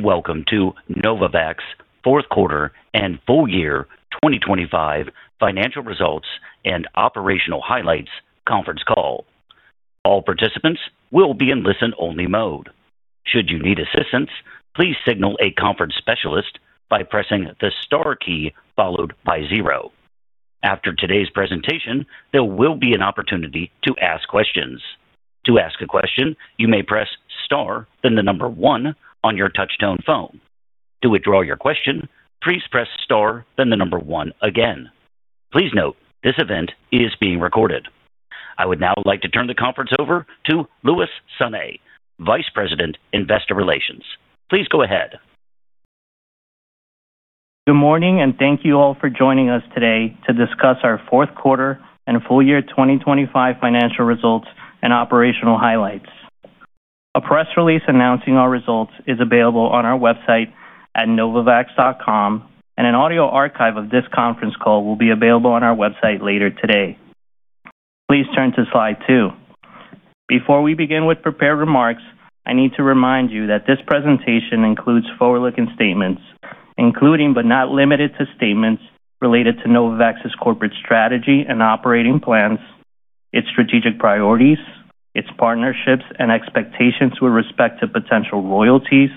Welcome to Novavax Q4 and Full Year 2025 Financial Results and Operational Highlights Conference Call. All participants will be in listen-only mode. Should you need assistance, please signal a conference specialist by pressing the star followed by zero. After today's presentation, there will be an opportunity to ask questions. To ask a question, you may press star, then one on your touchtone phone. To withdraw your question, please press star, then one again. Please note, this event is being recorded. I would now like to turn the conference over to Luis Sanay, Vice President, Investor Relations. Please go ahead. Good morning. Thank you all for joining us today to discuss our Q4 and full year 2025 financial results and operational highlights. A press release announcing our results is available on our website at novavax.com, and an audio archive of this conference call will be available on our website later today. Please turn to slide 2. Before we begin with prepared remarks, I need to remind you that this presentation includes forward-looking statements, including but not limited to statements related to Novavax's corporate strategy and operating plans, its strategic priorities, its partnerships and expectations with respect to potential royalties,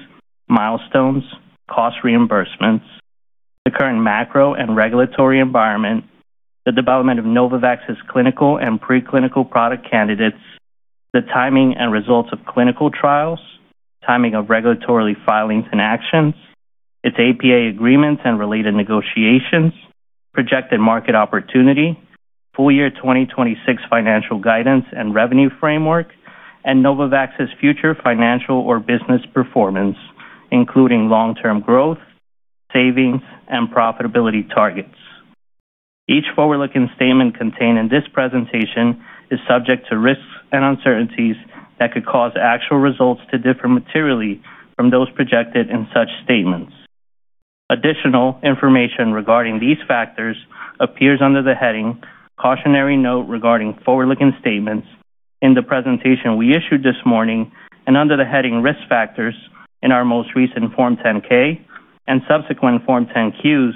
milestones, cost reimbursements, the current macro and regulatory environment, the development of Novavax's clinical and preclinical product candidates, the timing and results of clinical trials, timing of regulatory filings and actions, its APA agreements and related negotiations, projected market opportunity, full year 2026 financial guidance and revenue framework, and Novavax's future financial or business performance, including long-term growth, savings, and profitability targets. Each forward-looking statement contained in this presentation is subject to risks and uncertainties that could cause actual results to differ materially from those projected in such statements. Additional information regarding these factors appears under the heading "Cautionary Note Regarding Forward-Looking Statements" in the presentation we issued this morning and under the heading "Risk Factors" in our most recent Form 10-K and subsequent Form 10-Qs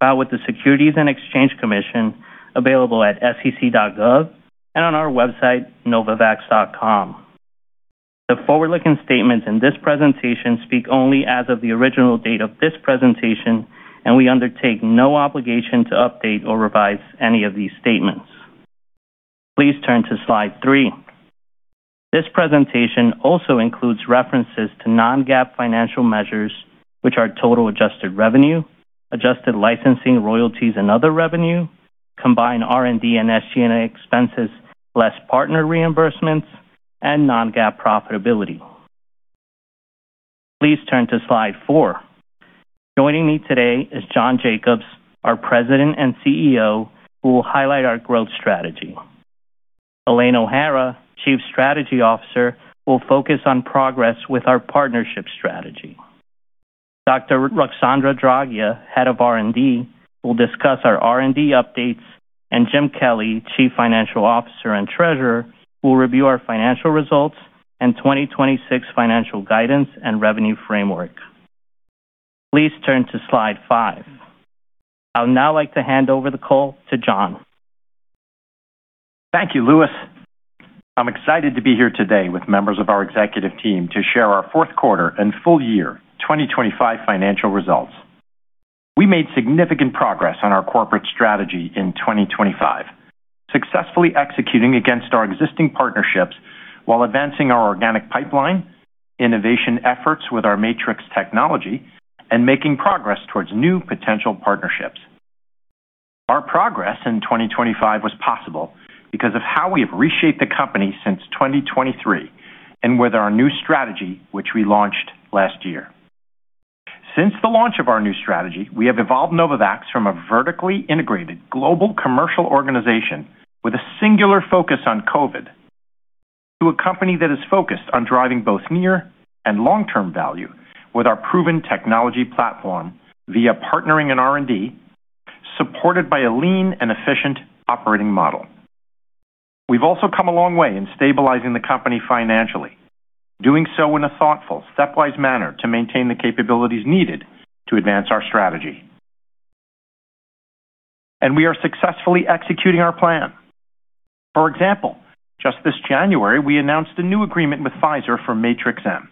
filed with the Securities and Exchange Commission, available at sec.gov and on our website, novavax.com. The forward-looking statements in this presentation speak only as of the original date of this presentation, and we undertake no obligation to update or revise any of these statements. Please turn to slide 3. This presentation also includes references to non-GAAP financial measures, which are total adjusted revenue, adjusted licensing, royalties, and other revenue, combined R&D and SG&A expenses, less partner reimbursements and non-GAAP profitability. Please turn to slide 4. Joining me today is John Jacobs, our President and CEO, who will highlight our growth strategy. Elaine O'Hara, Chief Strategy Officer, will focus on progress with our partnership strategy. Dr. Ruxandra Draghia, Head of R&D, will discuss our R&D updates, and Jim Kelly, Chief Financial Officer and Treasurer, will review our financial results and 2026 financial guidance and revenue framework. Please turn to slide five. I'd now like to hand over the call to John. Thank you, Luis. I'm excited to be here today with members of our executive team to share our Q4 and full year 2025 financial results. We made significant progress on our corporate strategy in 2025, successfully executing against our existing partnerships while advancing our organic pipeline, innovation efforts with our Matrix technology, and making progress towards new potential partnerships. Our progress in 2025 was possible because of how we have reshaped the company since 2023 and with our new strategy, which we launched last year. Since the launch of our new strategy, we have evolved Novavax from a vertically integrated global commercial organization with a singular focus on COVID, to a company that is focused on driving both near and long-term value with our proven technology platform via partnering and R&D, supported by a lean and efficient operating model. We've also come a long way in stabilizing the company financially, doing so in a thoughtful, stepwise manner to maintain the capabilities needed to advance our strategy. We are successfully executing our plan. For example, just this January, we announced a new agreement with Pfizer for Matrix-M.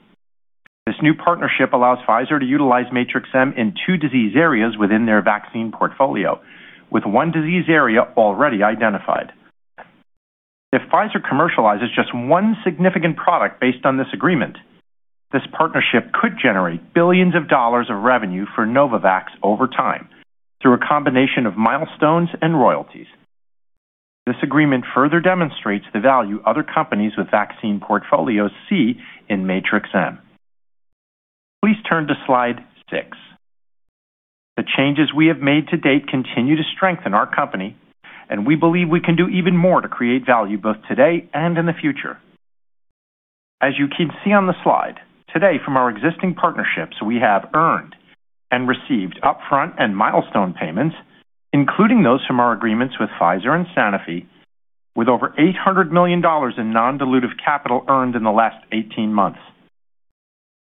This new partnership allows Pfizer to utilize Matrix-M in two disease areas within their vaccine portfolio, with one disease area already identified. If Pfizer commercializes just one significant product based on this agreement, this partnership could generate $ billions of revenue for Novavax over time through a combination of milestones and royalties. This agreement further demonstrates the value other companies with vaccine portfolios see in Matrix-M. Please turn to slide 6. The changes we have made to date continue to strengthen our company. We believe we can do even more to create value both today and in the future. As you can see on the slide, today, from our existing partnerships, we have earned and received upfront and milestone payments, including those from our agreements with Pfizer and Sanofi. With over $800 million in non-dilutive capital earned in the last 18 months.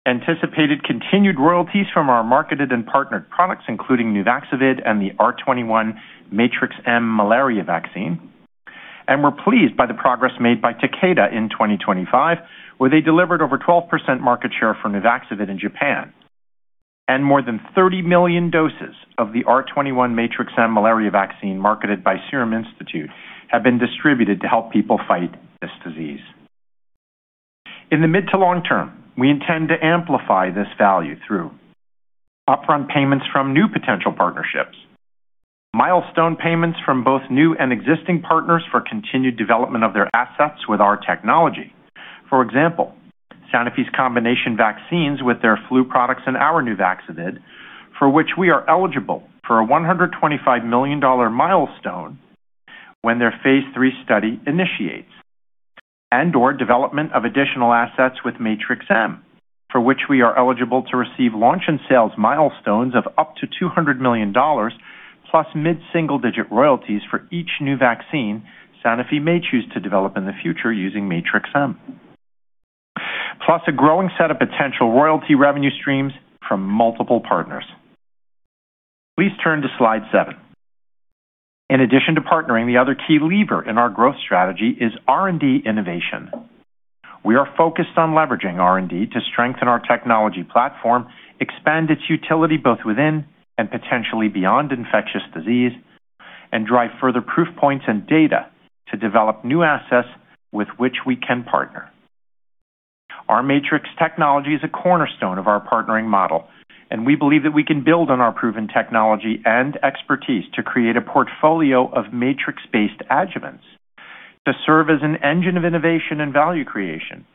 Anticipated continued royalties from our marketed and partnered products, including Nuvaxovid and the R21/Matrix-M malaria vaccine, and we're pleased by the progress made by Takeda in 2025, where they delivered over 12% market share for Nuvaxovid in Japan, and more than 30 million doses of the R21/Matrix-M malaria vaccine, marketed by Serum Institute, have been distributed to help people fight this disease. In the mid to long term, we intend to amplify this value through upfront payments from new potential partnerships, milestone payments from both new and existing partners for continued development of their assets with our technology. For example, Sanofi's combination vaccines with their flu products and our Nuvaxovid, for which we are eligible for a $125 million milestone when their phase 3 study initiates, and/or development of additional assets with Matrix-M, for which we are eligible to receive launch and sales milestones of up to $200 million, plus mid-single-digit royalties for each new vaccine Sanofi may choose to develop in the future using Matrix-M. Plus a growing set of potential royalty revenue streams from multiple partners. Please turn to slide 7. In addition to partnering, the other key lever in our growth strategy is R&D innovation. We are focused on leveraging R&D to strengthen our technology platform, expand its utility both within and potentially beyond infectious disease, and drive further proof points and data to develop new assets with which we can partner. Our Matrix technology is a cornerstone of our partnering model. We believe that we can build on our proven technology and expertise to create a portfolio of Matrix-based adjuvants to serve as an engine of innovation and value creation,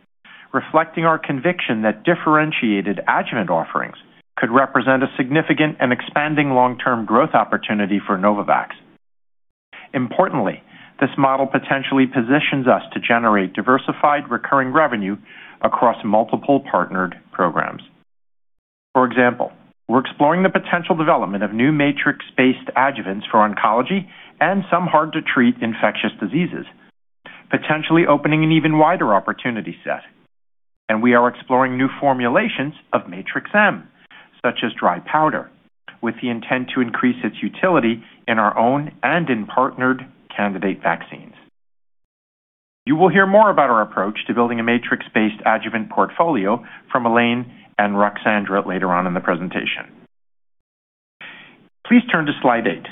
reflecting our conviction that differentiated adjuvant offerings could represent a significant and expanding long-term growth opportunity for Novavax. Importantly, this model potentially positions us to generate diversified, recurring revenue across multiple partnered programs. For example, we're exploring the potential development of new Matrix-based adjuvants for oncology and some hard-to-treat infectious diseases, potentially opening an even wider opportunity set. We are exploring new formulations of Matrix-M, such as dry powder, with the intent to increase its utility in our own and in partnered candidate vaccines. You will hear more about our approach to building a Matrix-based adjuvant portfolio from Elaine and Ruxandra later on in the presentation. Please turn to slide 8.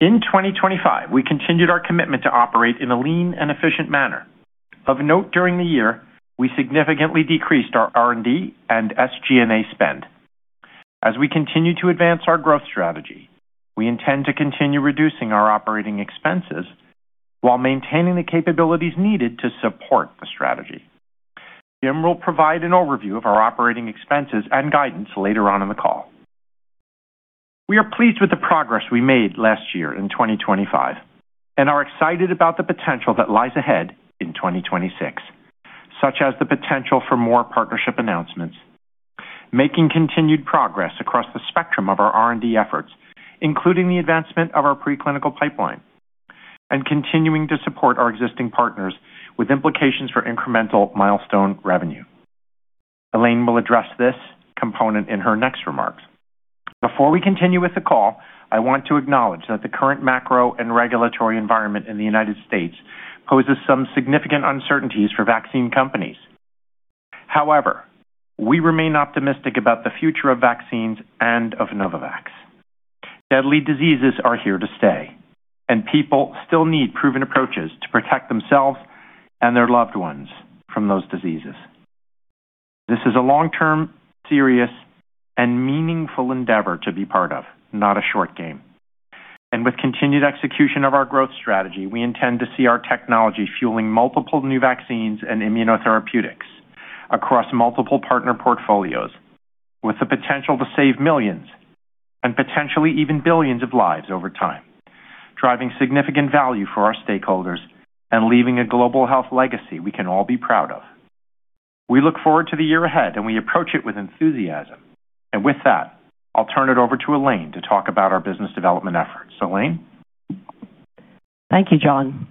In 2025, we continued our commitment to operate in a lean and efficient manner. Of note, during the year, we significantly decreased our R&D and SG&A spend. As we continue to advance our growth strategy, we intend to continue reducing our operating expenses while maintaining the capabilities needed to support the strategy. Jim will provide an overview of our operating expenses and guidance later on in the call. We are pleased with the progress we made last year in 2025 and are excited about the potential that lies ahead in 2026, such as the potential for more partnership announcements, making continued progress across the spectrum of our R&D efforts, including the advancement of our preclinical pipeline and continuing to support our existing partners with implications for incremental milestone revenue. Elaine will address this component in her next remarks. Before we continue with the call, I want to acknowledge that the current macro and regulatory environment in the United States poses some significant uncertainties for vaccine companies. We remain optimistic about the future of vaccines and of Novavax. Deadly diseases are here to stay, and people still need proven approaches to protect themselves and their loved ones from those diseases. This is a long-term, serious and meaningful endeavor to be part of, not a short game, and with continued execution of our growth strategy, we intend to see our technology fueling multiple new vaccines and immunotherapeutics across multiple partner portfolios, with the potential to save millions and potentially even billions of lives over time, driving significant value for our stakeholders and leaving a global health legacy we can all be proud of. We look forward to the year ahead, and we approach it with enthusiasm. With that, I'll turn it over to Elaine to talk about our business development efforts. Elaine? Thank you, John.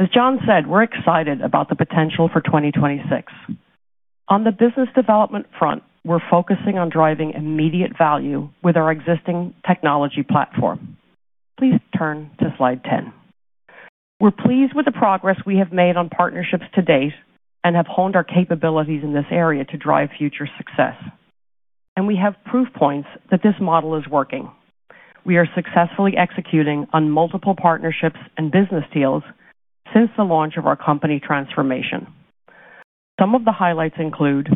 As John said, we're excited about the potential for 2026. On the business development front, we're focusing on driving immediate value with our existing technology platform. Please turn to slide 10. We're pleased with the progress we have made on partnerships to date and have honed our capabilities in this area to drive future success. We have proof points that this model is working. We are successfully executing on multiple partnerships and business deals since the launch of our company transformation. Some of the highlights include: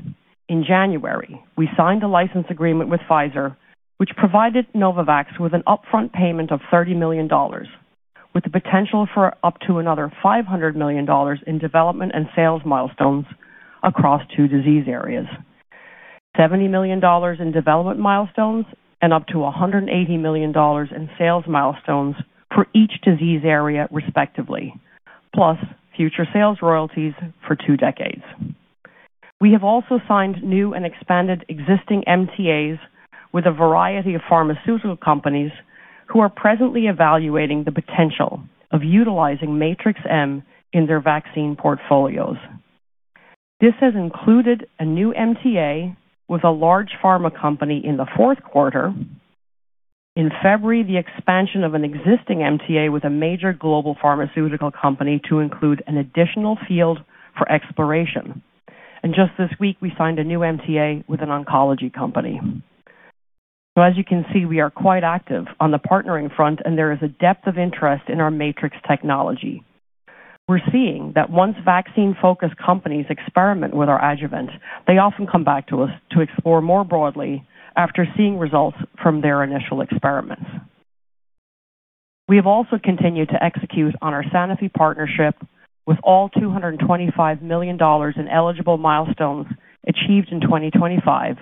In January, we signed a license agreement with Pfizer, which provided Novavax with an upfront payment of $30 million, with the potential for up to another $500 million in development and sales milestones across two disease areas. $70 million in development milestones and up to $180 million in sales milestones for each disease area, respectively, plus future sales royalties for two decades. We have also signed new and expanded existing MTAs with a variety of pharmaceutical companies who are presently evaluating the potential of utilizing Matrix-M in their vaccine portfolios. This has included a new MTA with a large pharma company in the Q4. In February, the expansion of an existing MTA with a major global pharmaceutical company to include an additional field for exploration. Just this week, we signed a new MTA with an oncology company. As you can see, we are quite active on the partnering front, and there is a depth of interest in our Matrix Technology. We're seeing that once vaccine-focused companies experiment with our adjuvant, they often come back to us to explore more broadly after seeing results from their initial experiments. We have also continued to execute on our Sanofi partnership, with all $225 million in eligible milestones achieved in 2025,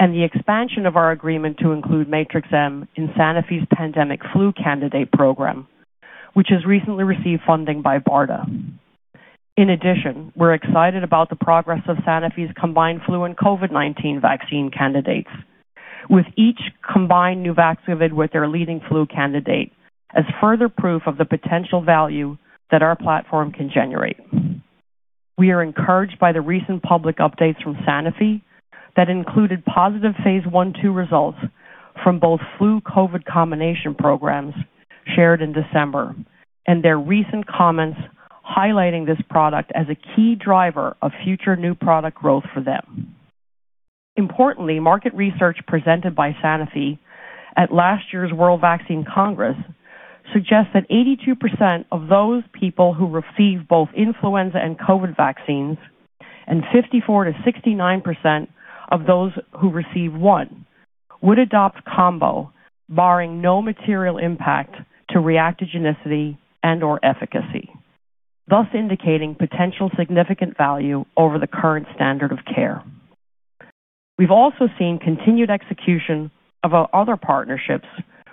and the expansion of our agreement to include Matrix-M in Sanofi's pandemic flu candidate program, which has recently received funding by BARDA. We're excited about the progress of Sanofi's combined flu and COVID-19 vaccine candidates, with each combined Nuvaxovid with their leading flu candidate as further proof of the potential value that our platform can generate. We are encouraged by the recent public updates from Sanofi that included positive phase I, II results from both flu COVID combination programs shared in December, and their recent comments highlighting this product as a key driver of future new product growth for them. Importantly, market research presented by Sanofi at last year's World Vaccine Congress suggests that 82% of those people who receive both influenza and COVID vaccines, and 54% to 69% of those who receive one, would adopt combo, barring no material impact to reactogenicity and/or efficacy, thus indicating potential significant value over the current standard of care. We've also seen continued execution of our other partnerships,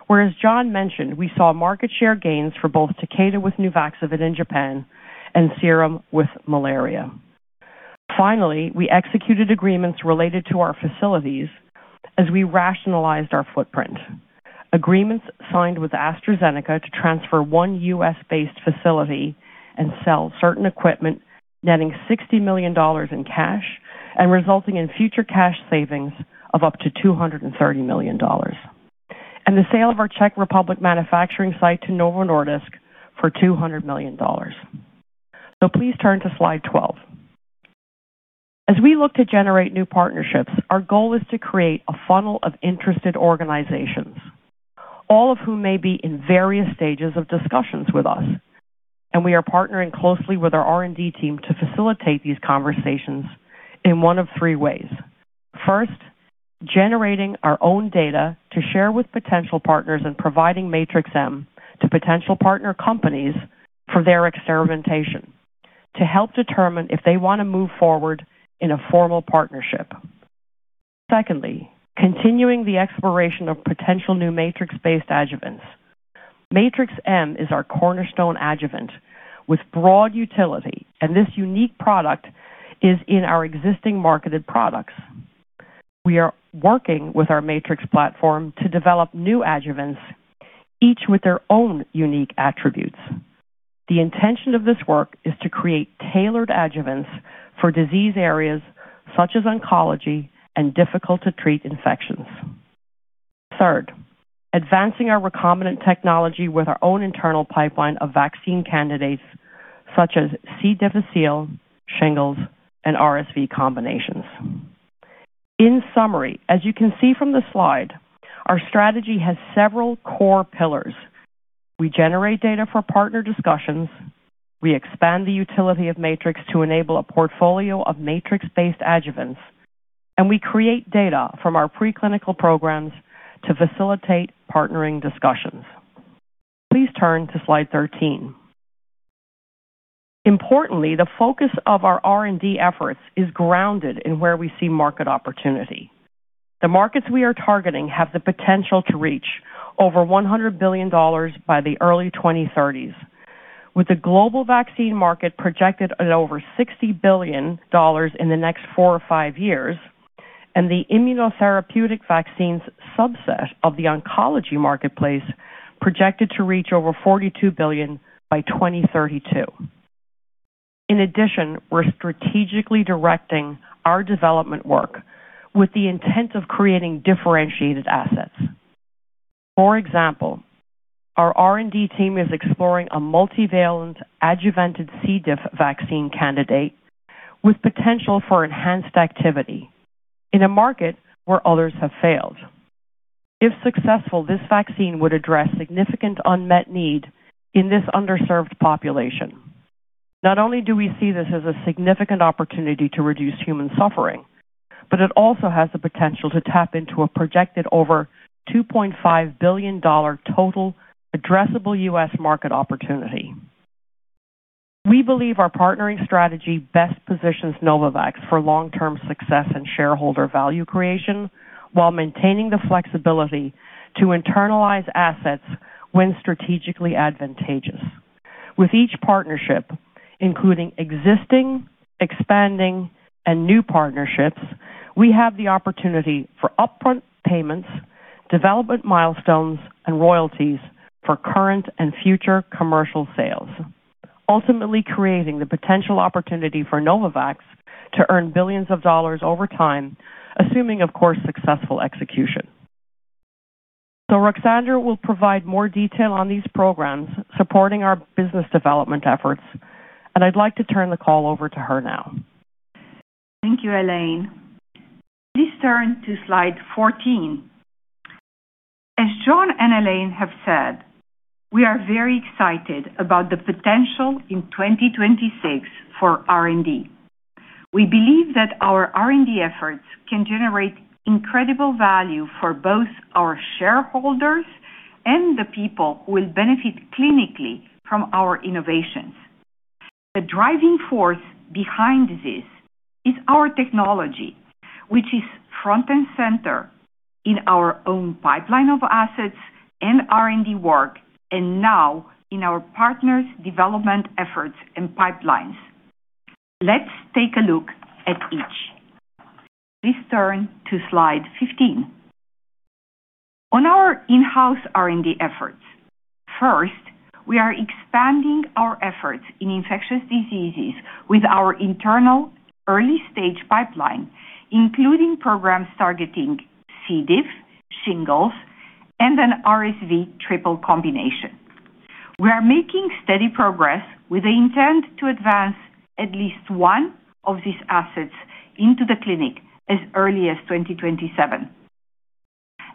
where, as John mentioned, we saw market share gains for both Takeda with Nuvaxovid in Japan and Serum with malaria. Finally, we executed agreements related to our facilities as we rationalized our footprint. Agreements signed with AstraZeneca to transfer one U.S.-based facility and sell certain equipment, netting $60 million in cash and resulting in future cash savings of up to $230 million, and the sale of our Czech Republic manufacturing site to Novo Nordisk for $200 million. Please turn to slide 12. As we look to generate new partnerships, our goal is to create a funnel of interested organizations, all of whom may be in various stages of discussions with us. We are partnering closely with our R&D team to facilitate these conversations in one of three ways. First, generating our own data to share with potential partners and providing Matrix-M to potential partner companies for their experimentation to help determine if they want to move forward in a formal partnership. Secondly, continuing the exploration of potential new Matrix-based adjuvants. Matrix-M is our cornerstone adjuvant with broad utility. This unique product is in our existing marketed products. We are working with our Matrix platform to develop new adjuvants, each with their own unique attributes. The intention of this work is to create tailored adjuvants for disease areas such as oncology and difficult-to-treat infections. Third, advancing our recombinant technology with our own internal pipeline of vaccine candidates such as C. difficile, shingles, and RSV combinations. In summary, as you can see from the slide, our strategy has several core pillars. We generate data for partner discussions, we expand the utility of Matrix to enable a portfolio of Matrix-based adjuvants, and we create data from our preclinical programs to facilitate partnering discussions. Please turn to slide 13. Importantly, the focus of our R&D efforts is grounded in where we see market opportunity. The markets we are targeting have the potential to reach over $100 billion by the early 2030s, with the global vaccine market projected at over $60 billion in the next four or five years and the immunotherapeutic vaccines subset of the oncology marketplace projected to reach over $42 billion by 2032. In addition, we're strategically directing our development work with the intent of creating differentiated assets. For example, our R&D team is exploring a multivalent adjuvanted C. diff vaccine candidate with potential for enhanced activity in a market where others have failed. If successful, this vaccine would address significant unmet need in this underserved population. Not only do we see this as a significant opportunity to reduce human suffering, but it also has the potential to tap into a projected over $2.5 billion total addressable U.S. market opportunity. We believe our partnering strategy best positions Novavax for long-term success and shareholder value creation, while maintaining the flexibility to internalize assets when strategically advantageous. With each partnership, including existing, expanding, and new partnerships, we have the opportunity for upfront payments, development milestones, and royalties for current and future commercial sales, ultimately creating the potential opportunity for Novavax to earn billions of dollars over time, assuming, of course, successful execution. Ruxandra will provide more detail on these programs supporting our business development efforts, and I'd like to turn the call over to her now. Thank you, Elaine. Please turn to slide 14. As John and Elaine have said, we are very excited about the potential in 2026 for R&D. We believe that our R&D efforts can generate incredible value for both our shareholders and the people who will benefit clinically from our innovations. The driving force behind this is our technology, which is front and center in our own pipeline of assets and R&D work, and now in our partners' development efforts and pipelines. Let's take a look at each. Please turn to slide 15. On our in-house R&D efforts, first, we are expanding our efforts in infectious diseases with our internal early-stage pipeline, including programs targeting C. diff, shingles, and an RSV triple combination. We are making steady progress with the intent to advance at least one of these assets into the clinic as early as 2027.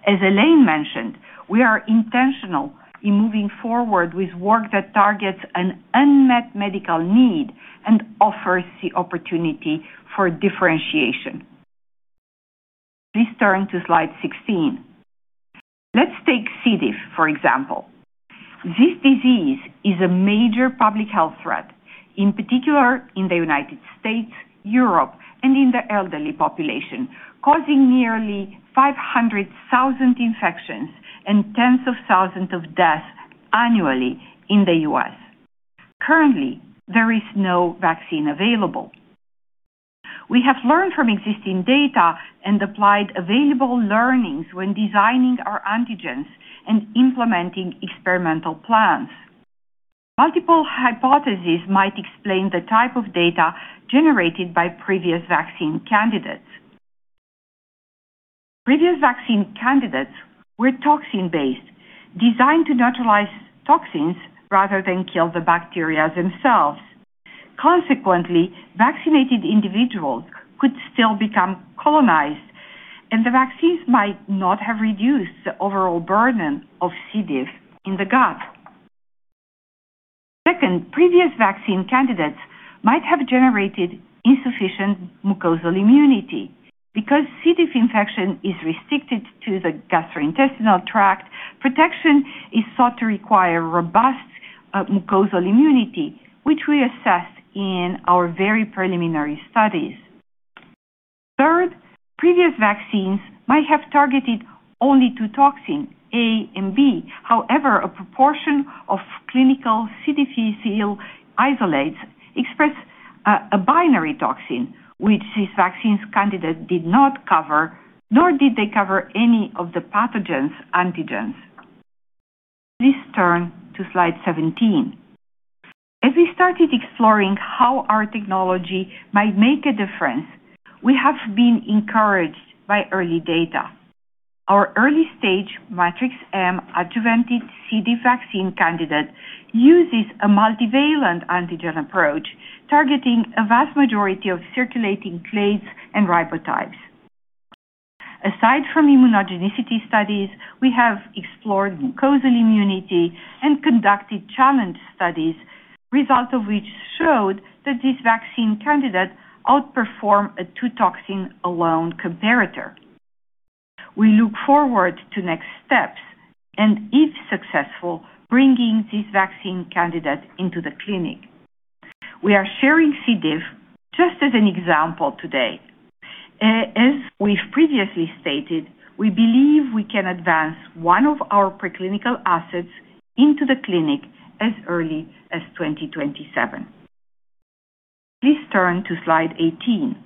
As Elaine mentioned, we are intentional in moving forward with work that targets an unmet medical need and offers the opportunity for differentiation. Please turn to slide 16. Let's take C. diff, for example. This disease is a major public health threat, in particular in the United States, Europe, and in the elderly population, causing nearly 500,000 infections and tens of thousands of deaths annually in the U.S. Currently, there is no vaccine available. We have learned from existing data and applied available learnings when designing our antigens and implementing experimental plans. Multiple hypotheses might explain the type of data generated by previous vaccine candidates. Previous vaccine candidates were toxin-based, designed to neutralize toxins rather than kill the bacteria themselves. Consequently, vaccinated individuals could still become colonized, and the vaccines might not have reduced the overall burden of C. diff in the gut. Second, previous vaccine candidates might have generated insufficient mucosal immunity. Because C. diff infection is restricted to the gastrointestinal tract, protection is thought to require robust mucosal immunity, which we assessed in our very preliminary studies. Third, previous vaccines might have targeted only 2-toxins, A and B. However, a proportion of clinical C. difficile isolates express a binary toxin, which these vaccines candidates did not cover, nor did they cover any of the pathogens' antigens. Please turn to slide 17. As we started exploring how our technology might make a difference, we have been encouraged by early data. Our early-stage Matrix-M adjuvanted C. diff vaccine candidate uses a multivalent antigen approach, targeting a vast majority of circulating clades and ribotypes. Aside from immunogenicity studies, we have explored mucosal immunity and conducted challenge studies, results of which showed that this vaccine candidate outperformed a 2-toxin-alone comparator. We look forward to next steps, if successful, bringing this vaccine candidate into the clinic. We are sharing C. diff just as an example today. As we've previously stated, we believe we can advance one of our preclinical assets into the clinic as early as 2027. Please turn to slide 18.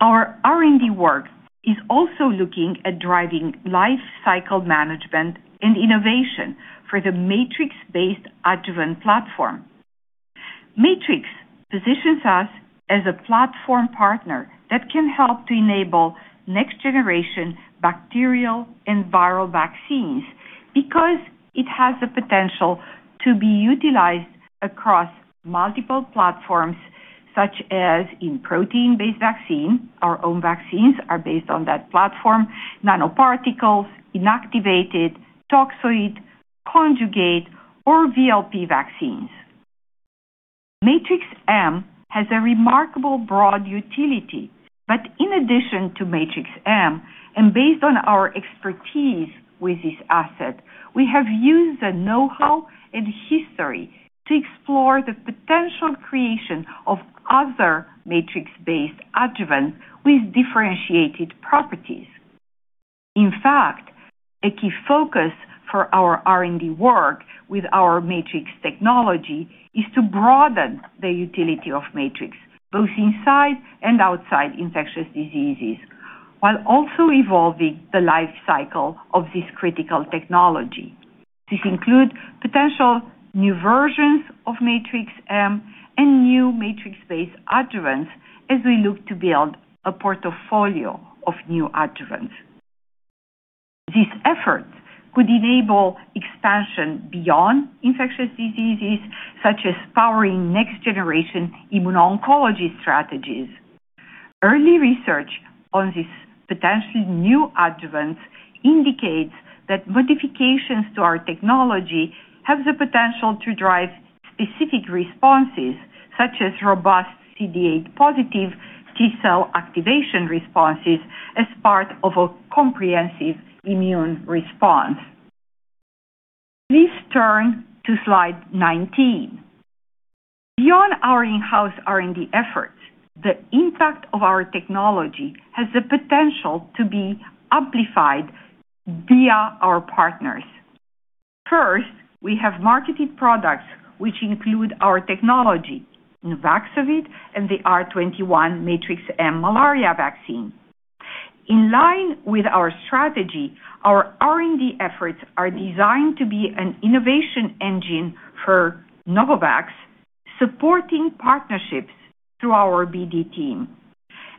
Our R&D work is also looking at driving life cycle management and innovation for the Matrix-based adjuvant platform. Matrix positions us as a platform partner that can help to enable next-generation bacterial and viral vaccines because it has the potential to be utilized across multiple platforms, such as in protein-based vaccine. Our own vaccines are based on that platform, nanoparticles, inactivated, toxoid, conjugate, or VLP vaccines. Matrix-M has a remarkable broad utility, but in addition to Matrix-M, and based on our expertise with this asset, we have used the know-how and history to explore the potential creation of other Matrix-based adjuvants with differentiated properties. In fact, a key focus for our R&D work with our Matrix technology is to broaden the utility of Matrix, both inside and outside infectious diseases, while also evolving the life cycle of this critical technology. This include potential new versions of Matrix-M and new Matrix-based adjuvants as we look to build a portfolio of new adjuvants. This effort could enable expansion beyond infectious diseases, such as powering next-generation immuno-oncology strategies. Early research on this potentially new adjuvant indicates that modifications to our technology have the potential to drive specific responses, such as robust CD8-positive T-cell activation responses as part of a comprehensive immune response. Please turn to slide 19. Beyond our in-house R&D efforts, the impact of our technology has the potential to be amplified via our partners. First, we have marketed products which include our technology, Nuvaxovid, and the R21/Matrix-M malaria vaccine. In line with our strategy, our R&D efforts are designed to be an innovation engine for Novavax, supporting partnerships through our BD team.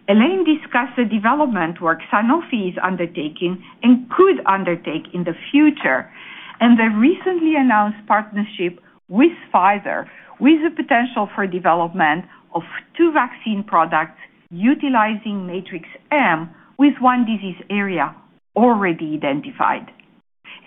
Elaine discussed the development work Sanofi is undertaking and could undertake in the future, and the recently announced partnership with Pfizer, with the potential for development of two vaccine products utilizing Matrix-M, with one disease area already identified.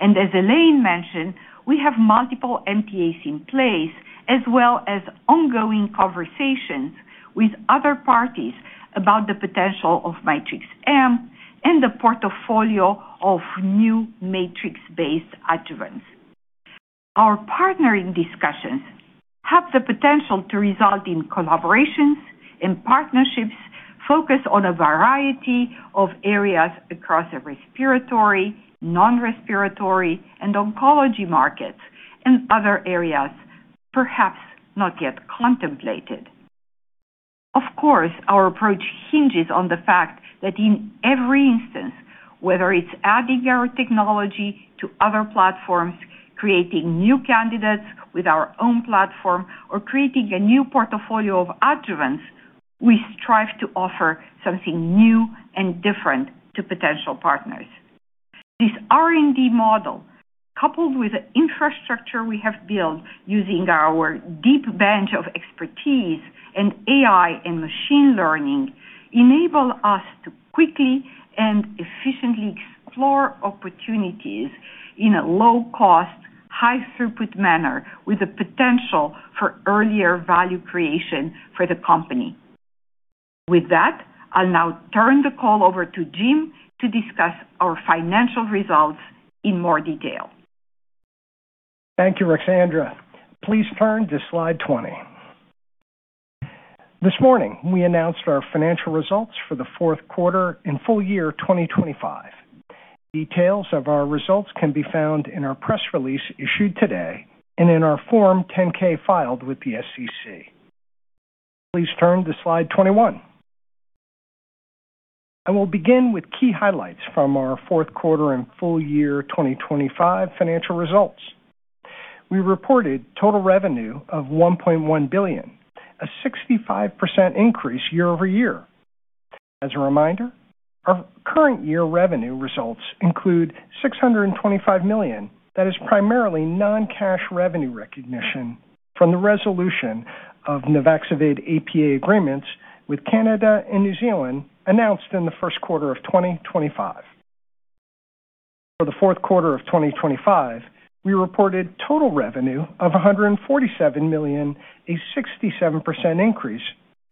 As Elaine mentioned, we have multiple MTAs in place, as well as ongoing conversations with other parties about the potential of Matrix-M and the portfolio of new Matrix-based adjuvants. Our partnering discussions have the potential to result in collaborations and partnerships focused on a variety of areas across the respiratory, non-respiratory, and oncology markets, and other areas perhaps not yet contemplated. Of course, our approach hinges on the fact that in every instance, whether it's adding our technology to other platforms, creating new candidates with our own platform, or creating a new portfolio of adjuvants, we strive to offer something new and different to potential partners. This R&D model, coupled with the infrastructure we have built using our deep bench of expertise in AI and machine learning, enable us to quickly and efficiently explore opportunities in a low-cost, high-throughput manner, with the potential for earlier value creation for the company. With that, I'll now turn the call over to Jim to discuss our financial results in more detail. Thank you, Ruxandra. Please turn to slide 20. This morning, we announced our financial results for the Q4 and full year 2025. Details of our results can be found in our press release issued today and in our Form 10-K filed with the SEC. Please turn to slide 21. I will begin with key highlights from our Q4 and full year 2025 financial results. We reported total revenue of $1.1 billion, a 65% increase year-over-year. As a reminder, our current year revenue results include $625 million that is primarily non-cash revenue recognition from the resolution of Nuvaxovid APA agreements with Canada and New Zealand, announced in the Q1 of 2025. For the Q4 of 2025, we reported total revenue of $147 million, a 67% increase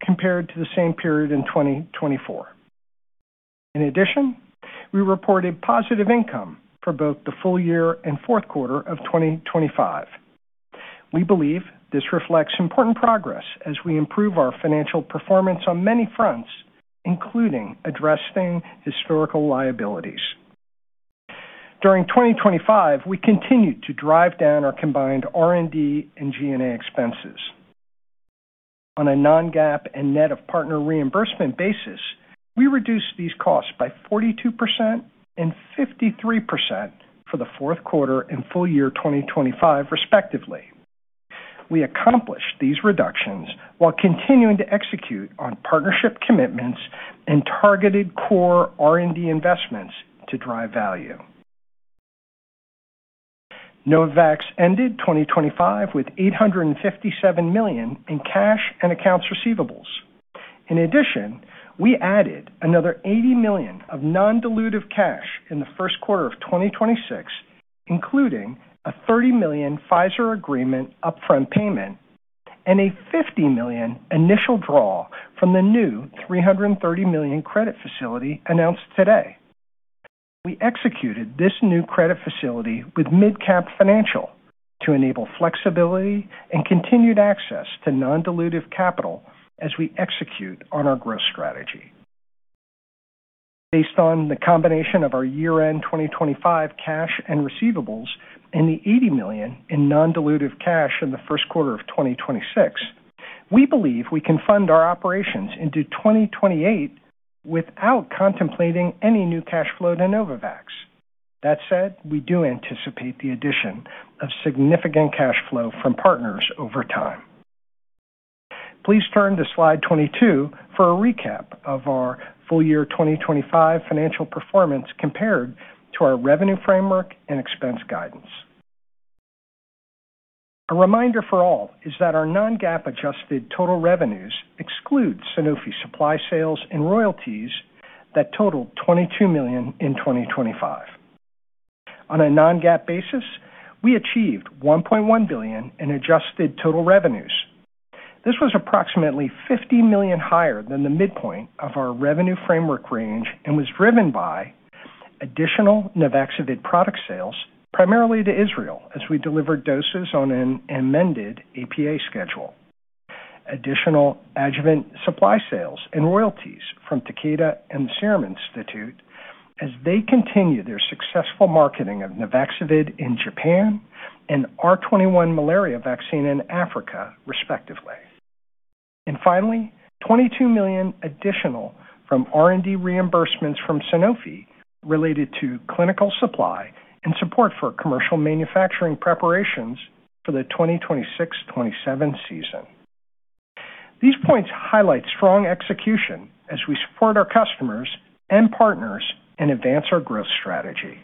compared to the same period in 2024. In addition, we reported positive income for both the full year and Q4 of 2025. We believe this reflects important progress as we improve our financial performance on many fronts, including addressing historical liabilities. During 2025, we continued to drive down our combined R&D and G&A expenses. On a non-GAAP and net of partner reimbursement basis, we reduced these costs by 42% and 53% for the Q4 and full year 2025, respectively. We accomplished these reductions while continuing to execute on partnership commitments and targeted core R&D investments to drive value. Novavax ended 2025 with $857 million in cash and accounts receivables. In addition, we added another $80 million of non-dilutive cash in the Q4 of 2026, including a $30 million Pfizer agreement upfront payment and a $50 million initial draw from the new $330 million credit facility announced today. We executed this new credit facility with MidCap Financial to enable flexibility and continued access to non-dilutive capital as we execute on our growth strategy. Based on the combination of our year-end 2025 cash and receivables and the $80 million in non-dilutive cash in the Q1 of 2026, we believe we can fund our operations into 2028 without contemplating any new cash flow to Novavax. That said, we do anticipate the addition of significant cash flow from partners over time. Please turn to slide 22 for a recap of our full year 2025 financial performance compared to our revenue framework and expense guidance. A reminder for all is that our non-GAAP adjusted total revenues exclude Sanofi supply sales and royalties that totaled $22 million in 2025. On a non-GAAP basis, we achieved $1.1 billion in adjusted total revenues. This was approximately $50 million higher than the midpoint of our revenue framework range and was driven by additional Nuvaxovid product sales, primarily to Israel, as we delivered doses on an amended APA schedule. Additional adjuvant supply sales and royalties from Takeda and the Serum Institute as they continue their successful marketing of Nuvaxovid in Japan and R21 malaria vaccine in Africa, respectively. Finally, $22 million additional from R&D reimbursements from Sanofi related to clinical supply and support for commercial manufacturing preparations for the 2026, 2027 season. These points highlight strong execution as we support our customers and partners and advance our growth strategy.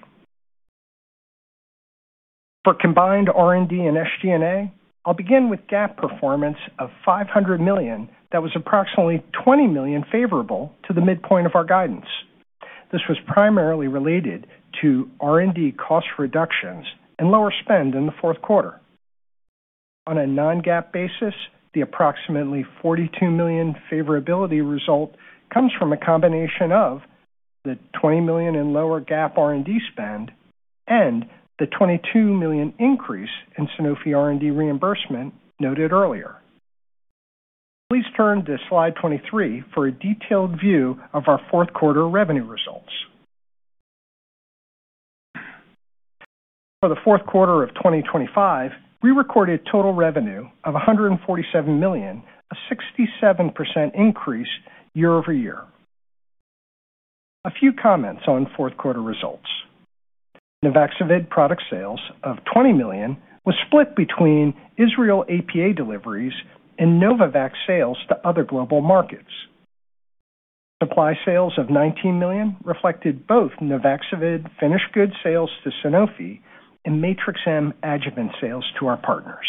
For combined R&D and SG&A, I'll begin with GAAP performance of $500 million. That was approximately $20 million favorable to the midpoint of our guidance. This was primarily related to R&D cost reductions and lower spend in the Q4. On a non-GAAP basis, the approximately $42 million favorability result comes from a combination of the $20 million in lower GAAP R&D spend and the $22 million increase in Sanofi R&D reimbursement noted earlier. Please turn to slide 23 for a detailed view of our Q4 revenue results. For the Q4 of 2025, we recorded total revenue of $147 million, a 67% increase year-over-year. A few comments on Q4 results. Nuvaxovid product sales of $20 million was split between Israel APA deliveries and Novavax sales to other global markets. Supply sales of $19 million reflected both Nuvaxovid finished good sales to Sanofi and Matrix-M adjuvant sales to our partners.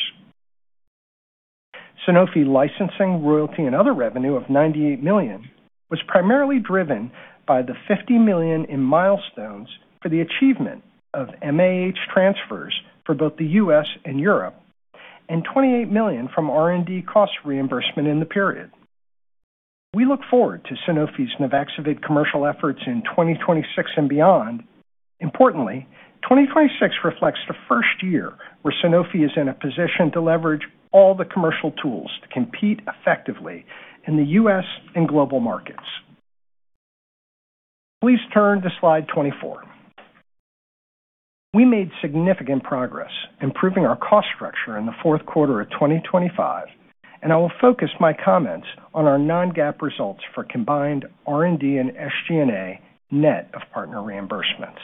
Sanofi licensing, royalty, and other revenue of $98 million was primarily driven by the $50 million in milestones for the achievement of MAH transfers for both the US and Europe, and $28 million from R&D cost reimbursement in the period. We look forward to Sanofi's Nuvaxovid commercial efforts in 2026 and beyond. Importantly, 2026 reflects the first year where Sanofi is in a position to leverage all the commercial tools to compete effectively in the US and global markets. Please turn to slide 24. We made significant progress improving our cost structure in the Q4 of 2025. I will focus my comments on our non-GAAP results for combined R&D and SG&A, net of partner reimbursements.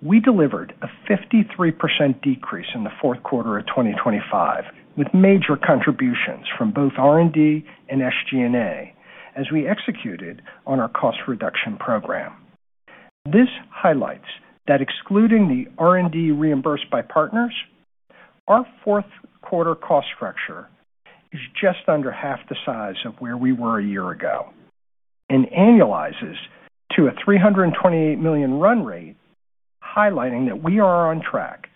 We delivered a 53% decrease in the Q4 of 2025, with major contributions from both R&D and SG&A as we executed on our cost reduction program. This highlights that excluding the R&D reimbursed by partners, our Q4 cost structure is just under half the size of where we were a year ago and annualizes to a $328 million run rate, highlighting that we are on track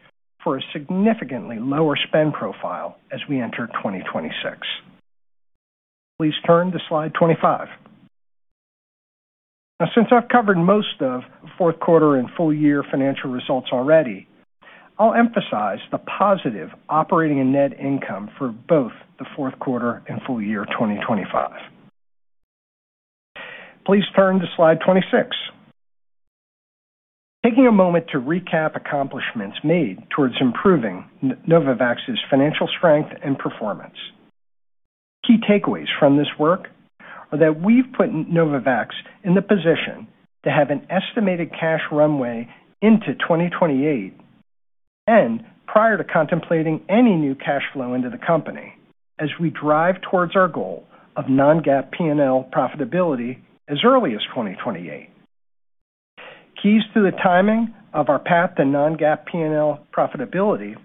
for a significantly lower spend profile as we enter 2026. Please turn to slide 25. Now, since I've covered most of the Q4 and full year financial results already, I'll emphasize the positive operating and net income for both the Q4 and full year 2025. Please turn to slide 26. Taking a moment to recap accomplishments made towards improving Novavax's financial strength and performance. Key takeaways from this work are that we've put Novavax in the position to have an estimated cash runway into 2028 and prior to contemplating any new cash flow into the company, as we drive towards our goal of non-GAAP P&L profitability as early as 2028. Keys to the timing of our path to non-GAAP P&L profitability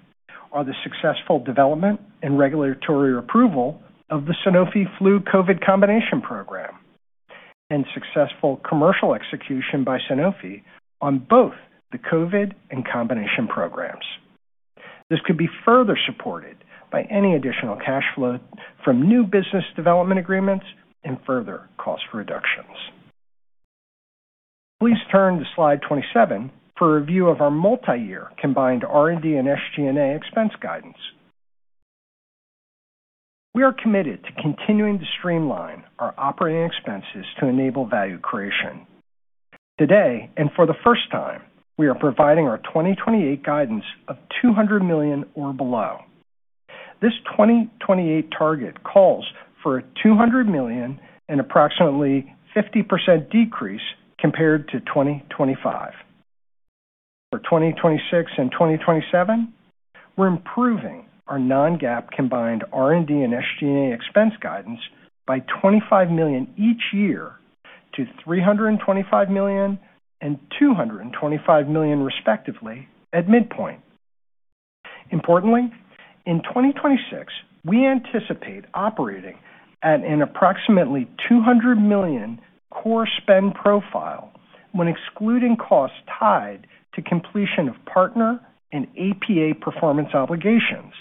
are the successful development and regulatory approval of the Sanofi Flu COVID combination program, successful commercial execution by Sanofi on both the COVID and combination programs. This could be further supported by any additional cash flow from new business development agreements and further cost reductions. Please turn to Slide 27 for a review of our multi-year combined R&D and SG&A expense guidance. We are committed to continuing to streamline our operating expenses to enable value creation. Today, and for the first time, we are providing our 2028 guidance of $200 million or below. This 2028 target calls for a $200 million and approximately 50% decrease compared to 2025. For 2026 and 2027, we're improving our non-GAAP combined R&D and SG&A expense guidance by $25 million each year to $325 million and $225 million, respectively, at midpoint. Importantly, in 2026, we anticipate operating at an approximately $200 million core spend profile when excluding costs tied to completion of partner and APA performance obligations.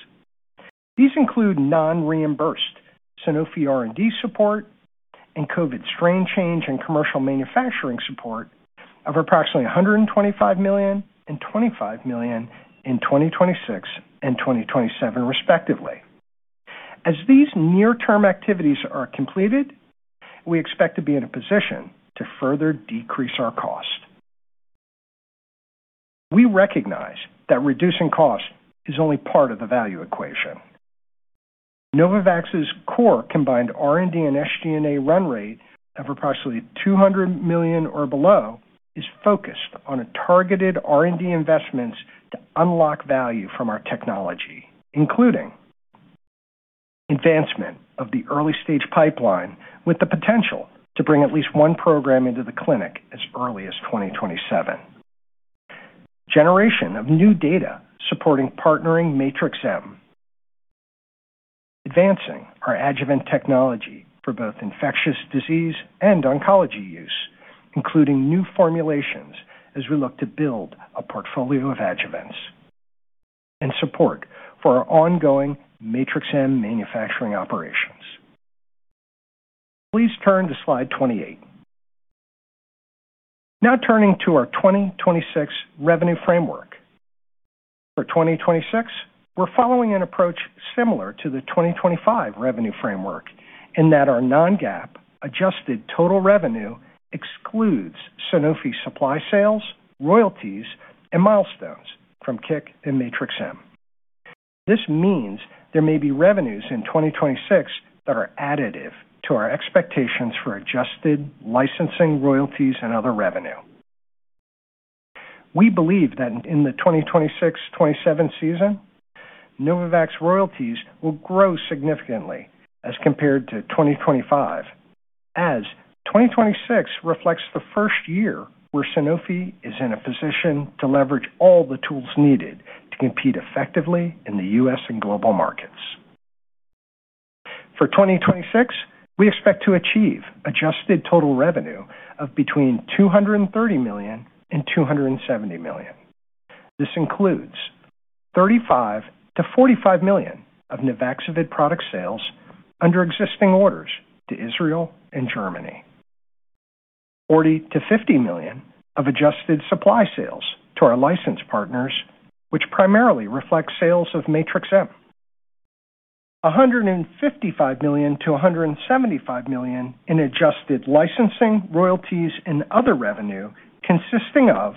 These include non-reimbursed Sanofi R&D support and COVID strain change and commercial manufacturing support of approximately $125 million and $25 million in 2026 and 2027, respectively. As these near-term activities are completed, we expect to be in a position to further decrease our cost. We recognize that reducing cost is only part of the value equation. Novavax's core combined R&D and SG&A run rate of approximately $200 million or below is focused on targeted R&D investments to unlock value from our technology, including advancement of the early-stage pipeline, with the potential to bring at least one program into the clinic as early as 2027. Generation of new data supporting partnering Matrix-M. Advancing our adjuvant technology for both infectious disease and oncology use, including new formulations as we look to build a portfolio of adjuvants. Support for our ongoing Matrix-M manufacturing operations. Please turn to Slide 28. Turning to our 2026 revenue framework. For 2026, we're following an approach similar to the 2025 revenue framework, in that our non-GAAP adjusted total revenue excludes Sanofi supply sales, royalties, and milestones from Kick and Matrix-M. This means there may be revenues in 2026 that are additive to our expectations for adjusted licensing, royalties, and other revenue. We believe that in the 2026, 2027 season, Novavax royalties will grow significantly as compared to 2025, as 2026 reflects the first year where Sanofi is in a position to leverage all the tools needed to compete effectively in the U.S. and global markets. For 2026, we expect to achieve adjusted total revenue of between $230 million and $270 million. This includes $35 million to $45 million of Nuvaxovid product sales under existing orders to Israel and Germany. $40 million to $50 million of adjusted supply sales to our license partners, which primarily reflects sales of Matrix-M. $155 million to $175 million in adjusted licensing, royalties, and other revenue, consisting of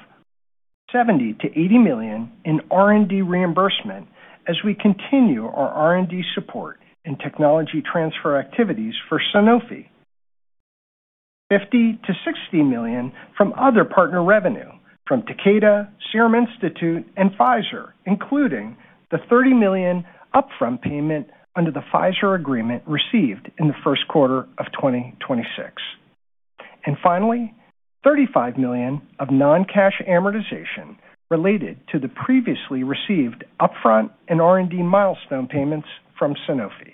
$70 million-$80 million in R&D reimbursement as we continue our R&D support and technology transfer activities for Sanofi. $50 million to $60 million from other partner revenue from Takeda, Serum Institute, and Pfizer, including the $30 million upfront payment under the Pfizer agreement received in the Q1 of 2026. Finally, $35 million of non-cash amortization related to the previously received upfront and R&D milestone payments from Sanofi.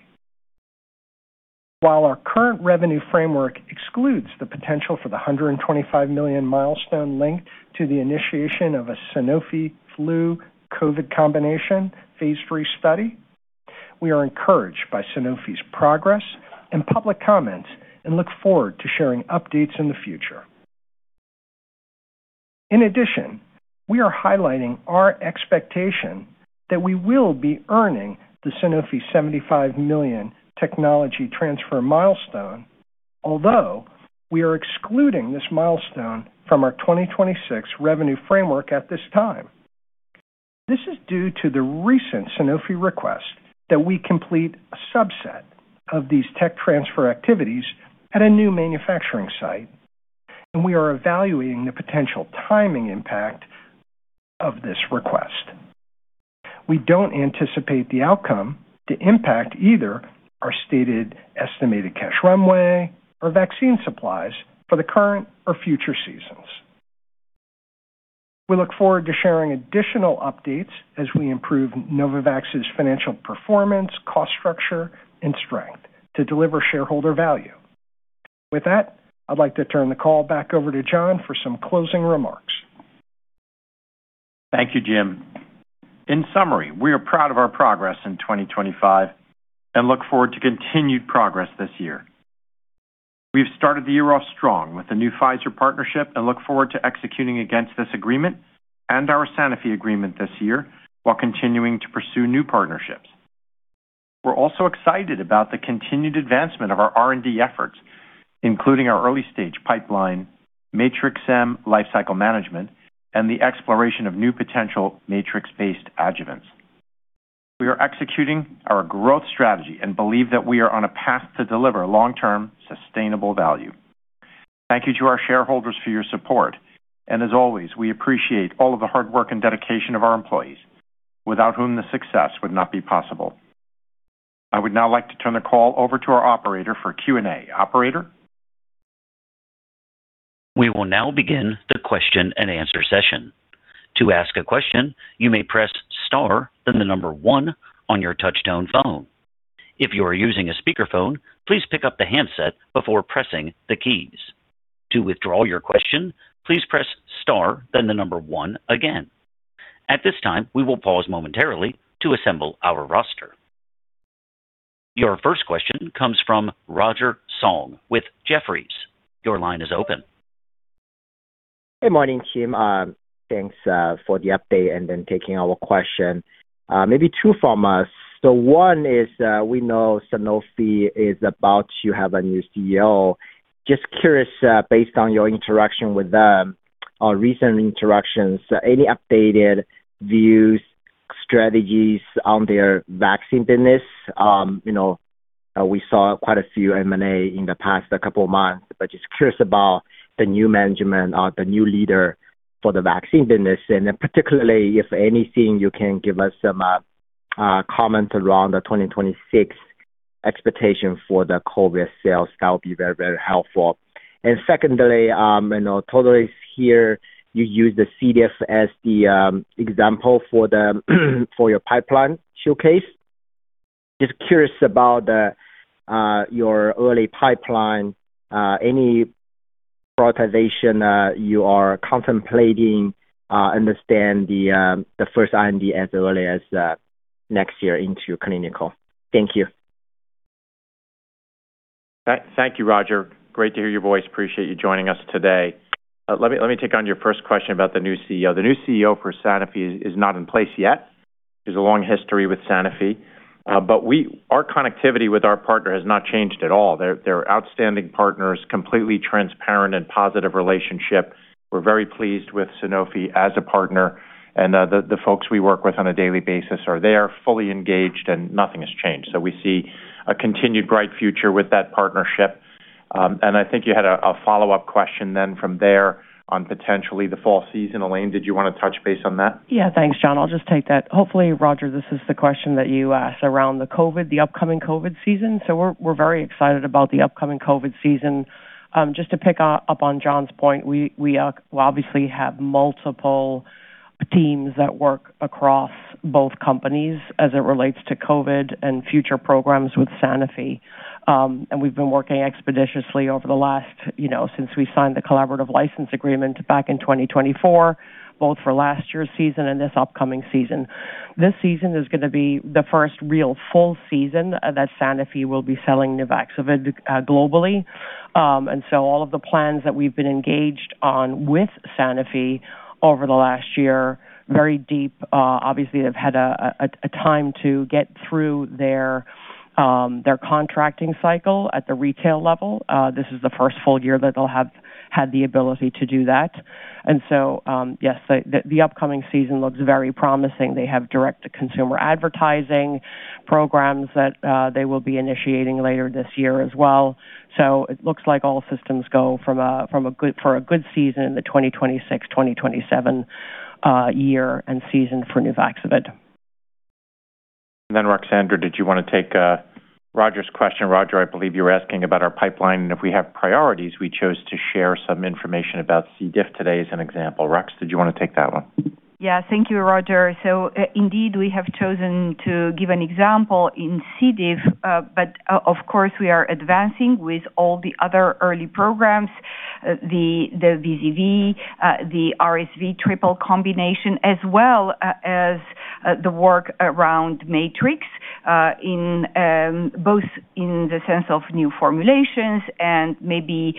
While our current revenue framework excludes the potential for the $125 million milestone linked to the initiation of a Sanofi flu-COVID combination Phase 3 study, we are encouraged by Sanofi's progress and public comments and look forward to sharing updates in the future. In addition, we are highlighting our expectation that we will be earning the Sanofi $75 million technology transfer milestone, although we are excluding this milestone from our 2026 revenue framework at this time. This is due to the recent Sanofi request that we complete a subset of these tech transfer activities at a new manufacturing site, and we are evaluating the potential timing impact of this request. We don't anticipate the outcome to impact either our stated estimated cash runway or vaccine supplies for the current or future seasons. We look forward to sharing additional updates as we improve Novavax's financial performance, cost structure, and strength to deliver shareholder value. With that, I'd like to turn the call back over to John for some closing remarks. Thank you, Jim. In summary, we are proud of our progress in 2025 and look forward to continued progress this year. We've started the year off strong with the new Pfizer partnership and look forward to executing against this agreement and our Sanofi agreement this year, while continuing to pursue new partnerships. We're also excited about the continued advancement of our R&D efforts, including our early-stage pipeline, Matrix-M lifecycle management, and the exploration of new potential Matrix-based adjuvants. We are executing our growth strategy and believe that we are on a path to deliver long-term sustainable value. Thank you to our shareholders for your support, and as always, we appreciate all of the hard work and dedication of our employees, without whom the success would not be possible. I would now like to turn the call over to our operator for Q&A. Operator? We will now begin the question-and-answer session. To ask a question, you may press star, then one on your touch-tone phone. If you are using a speakerphone, please pick up the handset before pressing the keys. To withdraw your question, please press star then one again. At this time, we will pause momentarily to assemble our roster. Your first question comes from Roger Song with Jefferies. Your line is open. Good morning, team. Thanks for the update and then taking our question. Maybe two from us. One is, we know Sanofi is about to have a new CEO. Just curious, based on your interaction with them or recent interactions, any updated views, strategies on their vaccine business? You know, we saw quite a few M&A in the past couple of months, but just curious about the new management or the new leader for the vaccine business, then particularly if anything, you can give us some comments around the 2026 expectation for the COVID sales. That would be very, very helpful. Secondly, you know, totally here, you use the C. diff as the example for the, for your pipeline showcase. Just curious about the your early pipeline, any prioritization you are contemplating, understand the first IND as early as next year into clinical. Thank you. Thank you, Roger. Great to hear your voice. Appreciate you joining us today. Let me take on your first question about the new CEO. The new CEO for Sanofi is not in place yet. There's a long history with Sanofi, but our connectivity with our partner has not changed at all. They're outstanding partners, completely transparent and positive relationship. We're very pleased with Sanofi as a partner and the folks we work with on a daily basis are there, fully engaged, and nothing has changed. We see a continued bright future with that partnership. I think you had a follow-up question then from there on potentially the fall season. Elaine, did you want to touch base on that? Thanks, John. I'll just take that. Hopefully, Roger, this is the question that you asked around the COVID, the upcoming COVID season. We're very excited about the upcoming COVID season. Just to pick up on John's point, we obviously have multiple teams that work across both companies as it relates to COVID and future programs with Sanofi. We've been working expeditiously over the last, you know, since we signed the collaborative license agreement back in 2024, both for last year's season and this upcoming season. This season is gonna be the first real full season that Sanofi will be selling Nuvaxovid globally. All of the plans that we've been engaged on with Sanofi over the last year, very deep, obviously have had a time to get through their contracting cycle at the retail level. This is the first full year that they'll have had the ability to do that. Yes, the upcoming season looks very promising. They have direct-to-consumer advertising programs that they will be initiating later this year as well. It looks like all systems go for a good season in the 2026, 2027 year and season for Nuvaxovid. Ruxandra, did you want to take Roger's question? Roger, I believe you were asking about our pipeline, and if we have priorities, we chose to share some information about C. diff today as an example. Rux, did you want to take that one? Thank you, Roger. Indeed, we have chosen to give an example in C. diff, but of course, we are advancing with all the other early programs, the VZV, the RSV triple combination, as well as the work around Matrix, in both in the sense of new formulations and maybe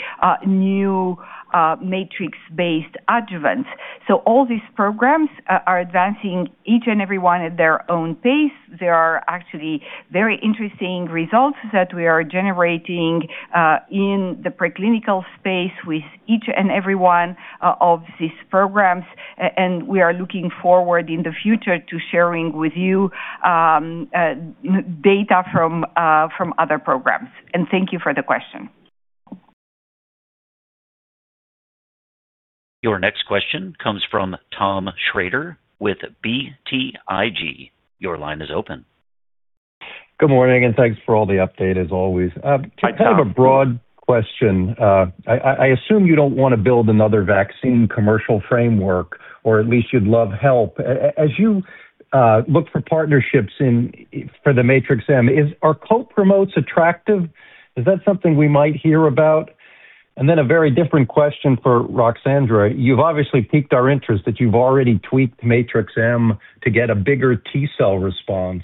new Matrix-based adjuvants. All these programs are advancing, each and every one at their own pace. There are actually very interesting results that we are generating in the preclinical space with each and every one of these programs, and we are looking forward in the future to sharing with you data from other programs. Thank you for the question. Your next question comes from Tom Shrader with BTIG. Your line is open. Good morning, thanks for all the update, as always. Hi, Tom. kind of a broad question. I assume you don't want to build another vaccine commercial framework, or at least you'd love help. As you look for partnerships in, for the Matrix-M, are co-promotes attractive? Is that something we might hear about? A very different question for Ruxandra. You've obviously piqued our interest that you've already tweaked Matrix-M to get a bigger T cell response.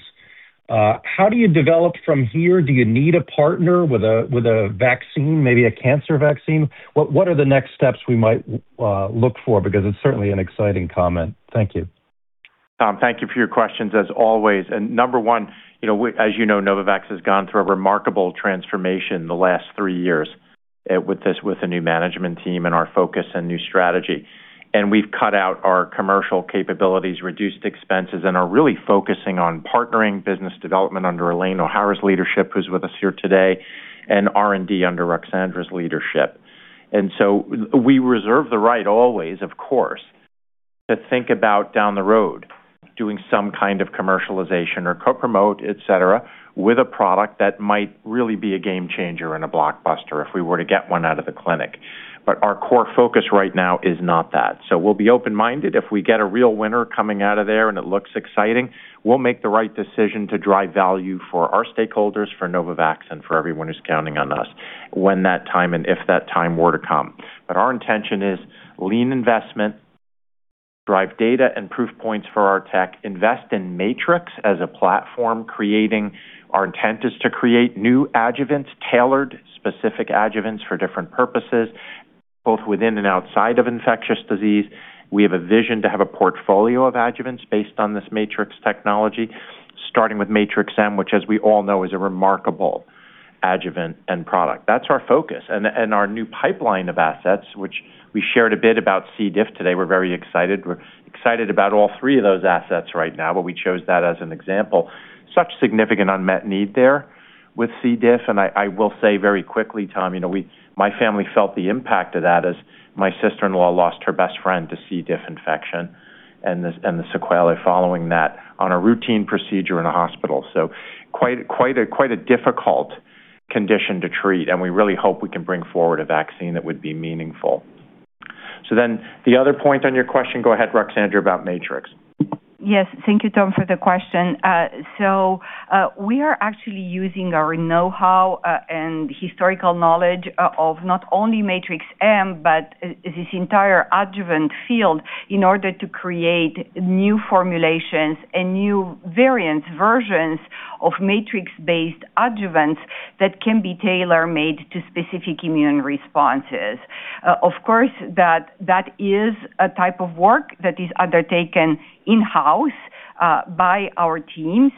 How do you develop from here? Do you need a partner with a vaccine, maybe a cancer vaccine? What are the next steps we might look for? Because it's certainly an exciting comment. Thank you. Tom, thank you for your questions as always. Number one, you know, as you know, Novavax has gone through a remarkable transformation in the last 3 years, with this, with a new management team and our focus and new strategy. We've cut out our commercial capabilities, reduced expenses, and are really focusing on partnering business development under Elaine O'Hara's leadership, who's with us here today, and R&D under Ruxandra's leadership. We reserve the right always, of course, to think about down the road, doing some kind of commercialization or co-promote, et cetera, with a product that might really be a game changer and a blockbuster if we were to get one out of the clinic. Our core focus right now is not that. We'll be open-minded. If we get a real winner coming out of there and it looks exciting, we'll make the right decision to drive value for our stakeholders, for Novavax, and for everyone who's counting on us when that time and if that time were to come. Our intention is lean investment, drive data and proof points for our tech, invest in Matrix as a platform. Our intent is to create new adjuvants, tailored, specific adjuvants for different purposes, both within and outside of infectious disease. We have a vision to have a portfolio of adjuvants based on this Matrix technology, starting with Matrix-M, which, as we all know, is a remarkable adjuvant and product. That's our focus. Our new pipeline of assets, which we shared a bit about C. diff today. We're very excited. We're excited about all three of those assets right now, but we chose that as an example. Such significant unmet need there with C. diff, and I will say very quickly, Tom, you know, my family felt the impact of that as my sister-in-law lost her best friend to C. diff infection and the sequelae following that on a routine procedure in a hospital. Quite a difficult condition to treat, and we really hope we can bring forward a vaccine that would be meaningful. The other point on your question, go ahead, Ruxandra, about Matrix. Yes, thank you, Tom, for the question. We are actually using our know-how, and historical knowledge of not only Matrix-M, but this entire adjuvant field, in order to create new formulations and new variants, versions of Matrix-based adjuvants that can be tailor-made to specific immune responses. Of course, that is a type of work that is undertaken in-house, by our teams.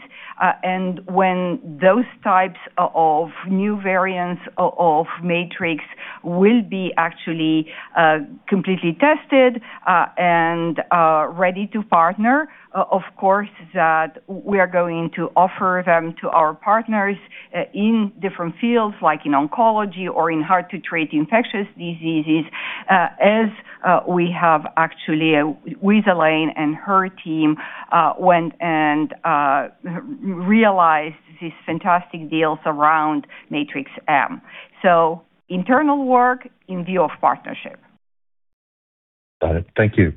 When those types of new variants of Matrix will be actually completely tested, and ready to partner, of course, that we are going to offer them to our partners, in different fields, like in oncology or in hard-to-treat infectious diseases, as we have actually with Elaine and her team, went and realized these fantastic deals around Matrix-M. Internal work in view of partnership. Got it. Thank you.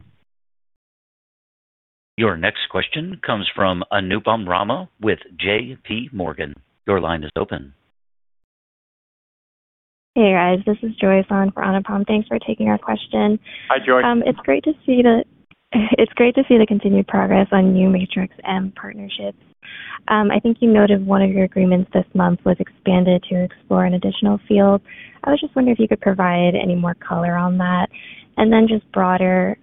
Your next question comes from Anupam Rama with JP Morgan. Your line is open. Hey, guys, this is Joy on for Anupam. Thanks for taking our question. Hi, Joy. It's great to see the continued progress on new Matrix-M partnerships. I think you noted one of your agreements this month was expanded to explore an additional field. I was just wondering if you could provide any more color on that. Then just broader,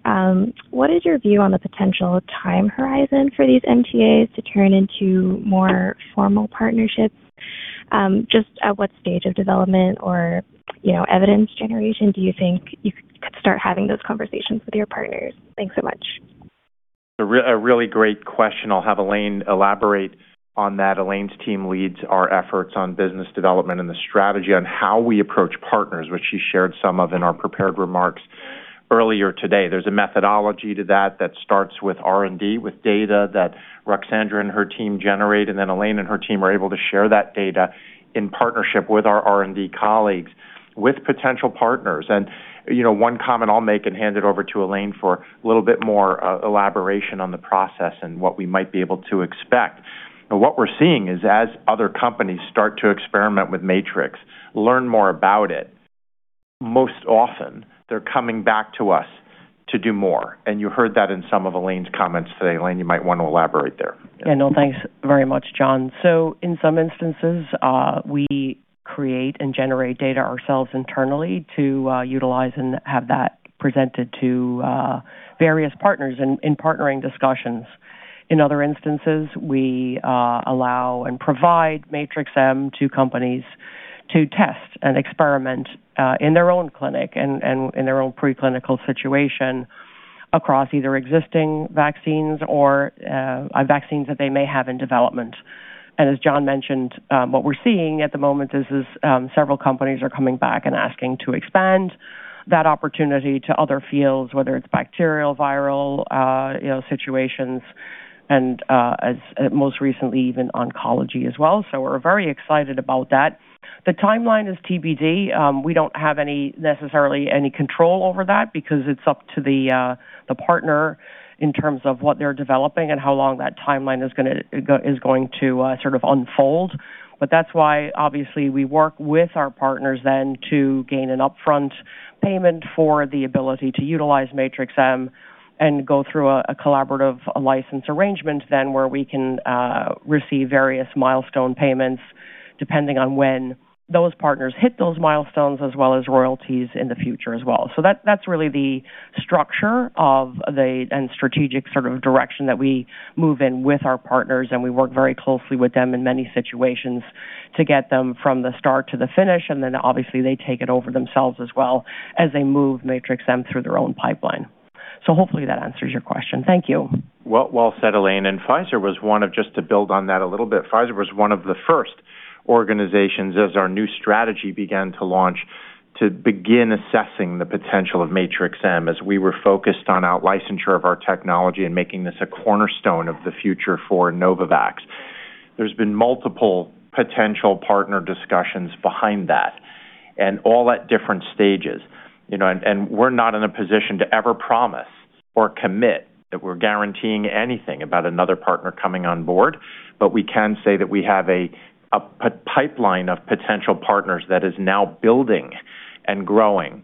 what is your view on the potential time horizon for these MTAs to turn into more formal partnerships? Just at what stage of development or, you know, evidence generation do you think you could start having those conversations with your partners? Thanks so much. A really great question. I'll have Elaine elaborate on that. Elaine's team leads our efforts on business development and the strategy on how we approach partners, which she shared some of in our prepared remarks earlier today. There's a methodology to that starts with R&D, with data that Ruxandra and her team generate, and then Elaine and her team are able to share that data in partnership with our R&D colleagues, with potential partners. You know, one comment I'll make and hand it over to Elaine for a little bit more elaboration on the process and what we might be able to expect. What we're seeing is as other companies start to experiment with Matrix, learn more about it, most often they're coming back to us to do more. You heard that in some of Elaine's comments today. Elaine, you might want to elaborate there. Thanks very much, John. In some instances, we create and generate data ourselves internally to utilize and have that presented to various partners in partnering discussions. In other instances, we allow and provide Matrix-M to companies to test and experiment in their own clinic and in their own preclinical situation across either existing vaccines or vaccines that they may have in development. As John mentioned, what we're seeing at the moment is several companies are coming back and asking to expand that opportunity to other fields, whether it's bacterial, viral, you know, situations, and most recently, even oncology as well. We're very excited about that. The timeline is TBD. We don't have any, necessarily any control over that because it's up to the partner in terms of what they're developing and how long that timeline is going to sort of unfold. That's why, obviously, we work with our partners then to gain an upfront payment for the ability to utilize Matrix-M and go through a collaborative license arrangement then where we can receive various milestone payments, depending on when those partners hit those milestones, as well as royalties in the future as well. That's really the structure of the and strategic sort of direction that we move in with our partners, and we work very closely with them in many situations to get them from the start to the finish. Then obviously, they take it over themselves as well as they move Matrix-M through their own pipeline. Hopefully that answers your question. Thank you. Well said, Elaine. Pfizer was one of the first organizations, as our new strategy began to launch, to begin assessing the potential of Matrix-M as we were focused on out-licensure of our technology and making this a cornerstone of the future for Novavax. There's been multiple potential partner discussions behind that, all at different stages. You know, we're not in a position to ever promise or commit that we're guaranteeing anything about another partner coming on board, but we can say that we have a pipeline of potential partners that is now building and growing.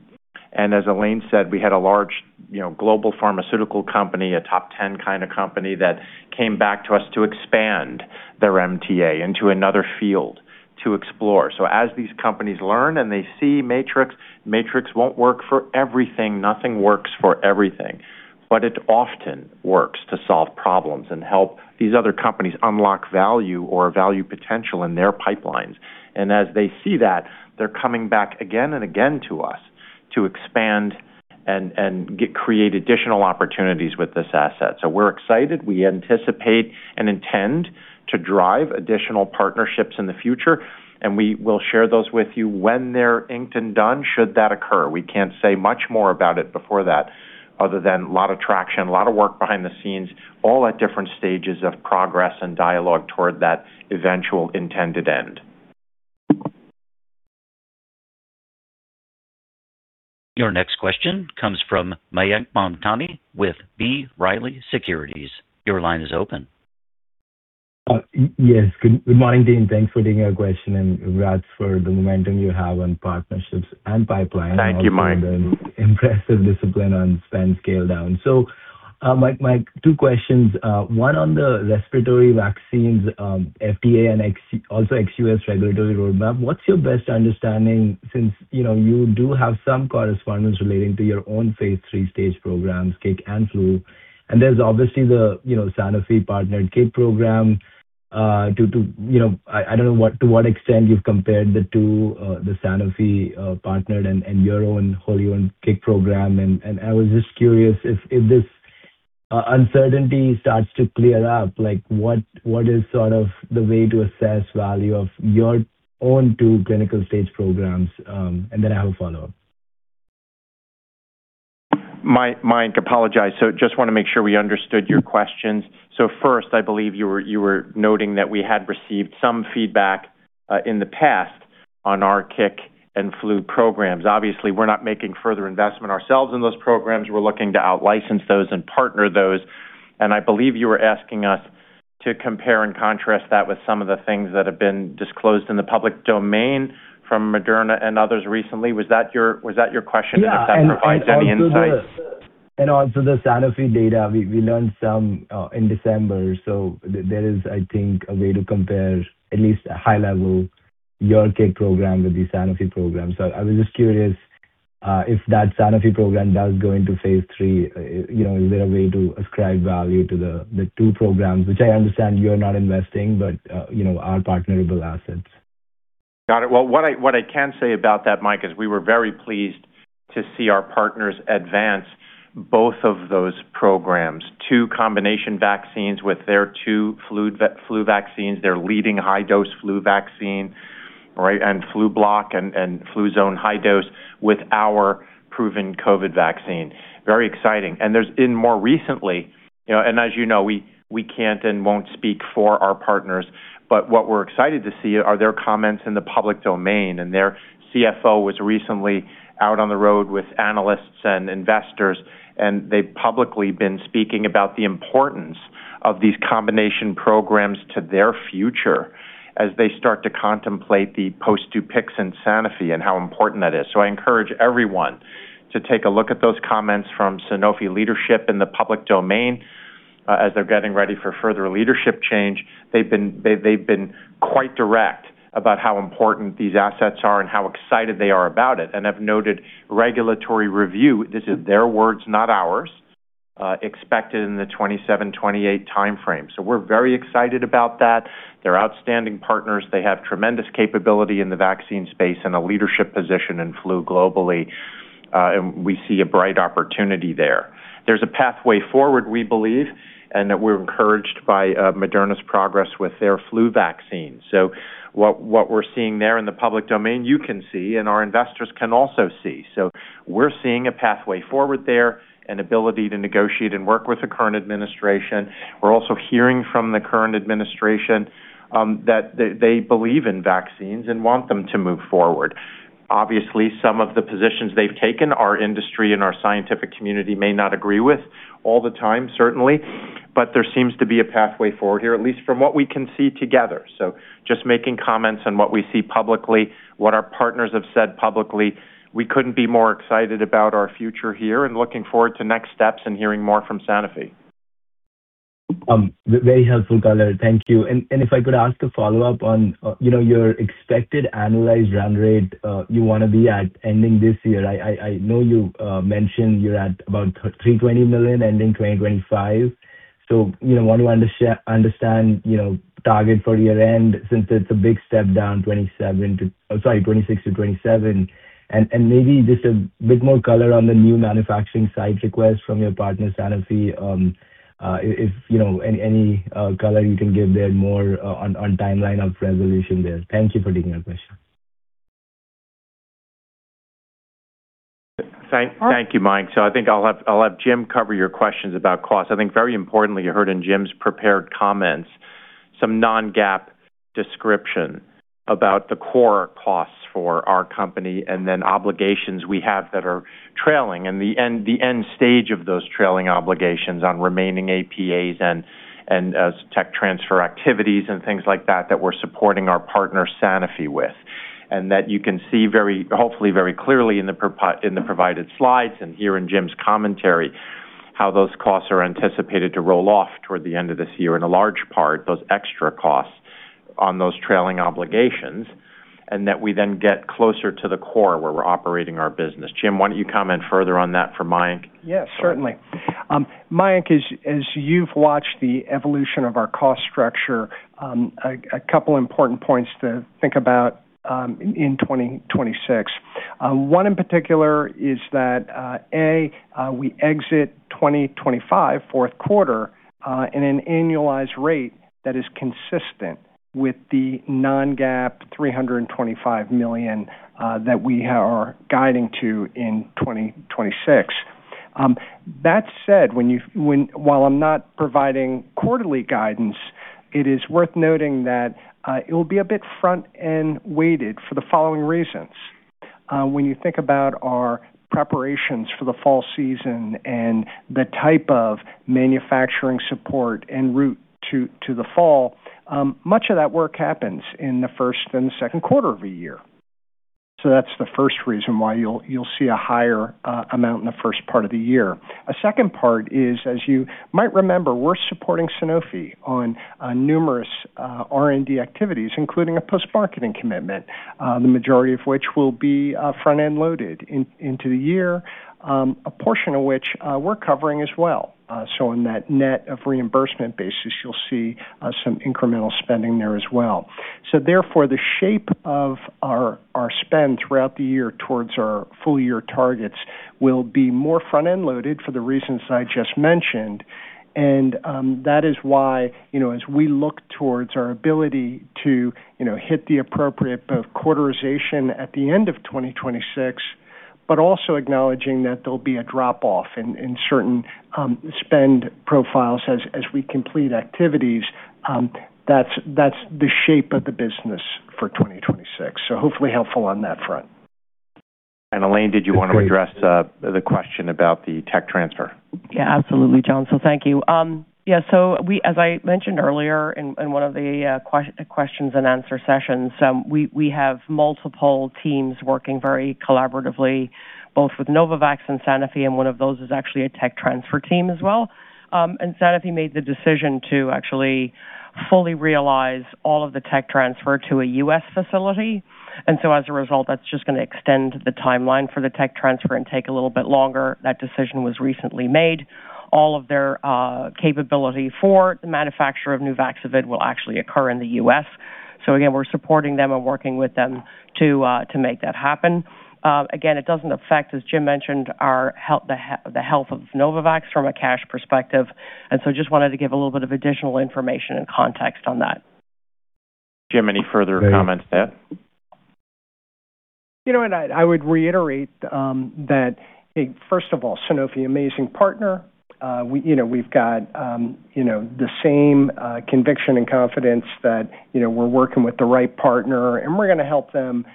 As Elaine said, we had a large, you know, global pharmaceutical company, a top 10 kind of company, that came back to us to expand their MTA into another field to explore. As these companies learn and they see Matrix-M won't work for everything. Nothing works for everything, but it often works to solve problems and help these other companies unlock value or value potential in their pipelines. As they see that, they're coming back again and again to us to expand and create additional opportunities with this asset. We're excited. We anticipate and intend to drive additional partnerships in the future, and we will share those with you when they're inked and done, should that occur. We can't say much more about it before that, other than a lot of traction, a lot of work behind the scenes, all at different stages of progress and dialogue toward that eventual intended end. Your next question comes from Mayank Mamtani with B. Riley Securities. Your line is open. yes, good morning, team. Thanks for taking our question. Congrats for the momentum you have on partnerships and pipeline. Thank you, Mayank. Impressive discipline on spend scale down. Mayank, two questions. One on the respiratory vaccines, FDA and ex U.S. regulatory roadmap. What's your best understanding, since, you know, you do have some correspondence relating to your own phase 3 stage programs, CIC and Flu, and there's obviously the, you know, Sanofi partnered CIC program. You know, I don't know to what extent you've compared the two, the Sanofi partnered and your own, wholly owned CIC program. I was just curious, if this uncertainty starts to clear up, like, what is sort of the way to assess value of your own two clinical stage programs? Then I have a follow-up. Mayank, apologize. Just wanna make sure we understood your questions. First, I believe you were noting that we had received some feedback in the past on our CIC and Flu programs. Obviously, we're not making further investment ourselves in those programs. We're looking to out-license those and partner those, and I believe you were asking us to compare and contrast that with some of the things that have been disclosed in the public domain from Moderna and others recently. Was that your question? Yeah. If that provides any insight. Also the Sanofi data. We learned some in December, there is, I think, a way to compare at least a high level, your CIC program with the Sanofi program. I was just curious if that Sanofi program does go into phase 3, you know, is there a way to ascribe value to the two programs, which I understand you're not investing, but, you know, are partnerable assets? Got it. Well, what I can say about that, Mayank, is we were very pleased to see our partners advance both of those programs. Two combination vaccines with their two flu vaccines, their leading high-dose flu vaccine, right, and Flublok and Fluzone High-Dose with our proven COVID vaccine. Very exciting. There's been more recently, you know, and as you know, we can't and won't speak for our partners, but what we're excited to see are their comments in the public domain. Their CFO was recently out on the road with analysts and investors, and they've publicly been speaking about the importance of these combination programs to their future as they start to contemplate the post Dupixent Sanofi and how important that is. I encourage everyone to take a look at those comments from Sanofi leadership in the public domain, as they're getting ready for further leadership change. They've been quite direct about how important these assets are and how excited they are about it and have noted regulatory review, this is their words, not ours, expected in the 2027 to 2028 timeframe. We're very excited about that. They're outstanding partners. They have tremendous capability in the vaccine space and a leadership position in flu globally, and we see a bright opportunity there. There's a pathway forward, we believe, and that we're encouraged by Moderna's progress with their flu vaccine. What we're seeing there in the public domain, you can see, and our investors can also see. We're seeing a pathway forward there, an ability to negotiate and work with the current administration. We're also hearing from the current administration, that they believe in vaccines and want them to move forward. Obviously, some of the positions they've taken, our industry and our scientific community may not agree with all the time, certainly. There seems to be a pathway forward here, at least from what we can see together. Just making comments on what we see publicly, what our partners have said publicly, we couldn't be more excited about our future here and looking forward to next steps and hearing more from Sanofi. Very helpful color. Thank you. If I could ask a follow-up on, you know, your expected annualized run rate, you wanna be at ending this year. I know you mentioned you're at about $320 million, ending 2025. You know, want to understand, you know, target for year-end, since it's a big step down, 26 to 27. Maybe just a bit more color on the new manufacturing site request from your partner, Sanofi. If, you know, any color you can give there more, on timeline of resolution there. Thank you for taking my question. Thank you, Mayank. I think I'll have Jim cover your questions about cost. I think very importantly, you heard in Jim's prepared comments some non-GAAP description about the core costs for our company and then obligations we have that are trailing, and the end stage of those trailing obligations on remaining APAs and tech transfer activities and things like that we're supporting our partner, Sanofi, with. That you can see very, hopefully very clearly in the provided slides and hear in Jim's commentary, how those costs are anticipated to roll off toward the end of this year, in a large part, those extra costs on those trailing obligations, and that we then get closer to the core, where we're operating our business. Jim, why don't you comment further on that for Mayank? Yes, certainly. Mayank, as you've watched the evolution of our cost structure, a couple important points to think about in 2026. One in particular is that we exit 2025, Q4, in an annualized rate that is consistent with the non-GAAP $325 million that we are guiding to in 2026. That said, while I'm not providing quarterly guidance, it is worth noting that it will be a bit front-end weighted for the following reasons. When you think about our preparations for the fall season and the type of manufacturing support en route to the fall, much of that work happens in the first and the Q2 of the year. That's the first reason why you'll see a higher amount in the first part of the year. A second part is, as you might remember, we're supporting Sanofi on numerous R&D activities, including a post-marketing commitment, the majority of which will be front-end loaded into the year, a portion of which we're covering as well. On that net of reimbursement basis, you'll see some incremental spending there as well. Therefore, the shape of our spend throughout the year towards our full-year targets will be more front-end loaded for the reasons I just mentioned. That is why, you know, as we look towards our ability to, you know, hit the appropriate both quarterization at the end of 2026, but also acknowledging that there'll be a drop-off in certain spend profiles as we complete activities, that's the shape of the business for 2026. Hopefully helpful on that front. Elaine, did you want to address the question about the tech transfer? Absolutely, John. Thank you. As I mentioned earlier in one of the questions and answer sessions, we have multiple teams working very collaboratively, both with Novavax and Sanofi, and one of those is actually a tech transfer team as well. Sanofi made the decision to actually fully realize all of the tech transfer to a US facility. As a result, that's just gonna extend the timeline for the tech transfer and take a little bit longer. That decision was recently made. All of their capability for the manufacture of Nuvaxovid will actually occur in the US. Again, we're supporting them and working with them to make that happen. Again, it doesn't affect, as Jim mentioned, our health, the health of Novavax from a cash perspective. Just wanted to give a little bit of additional information and context on that. Jim, any further comments to add? You know what? I would reiterate that, first of all, Sanofi, amazing partner. We, you know, we've got, you know, the same conviction and confidence that, you know, we're working with the right partner, and we're gonna help them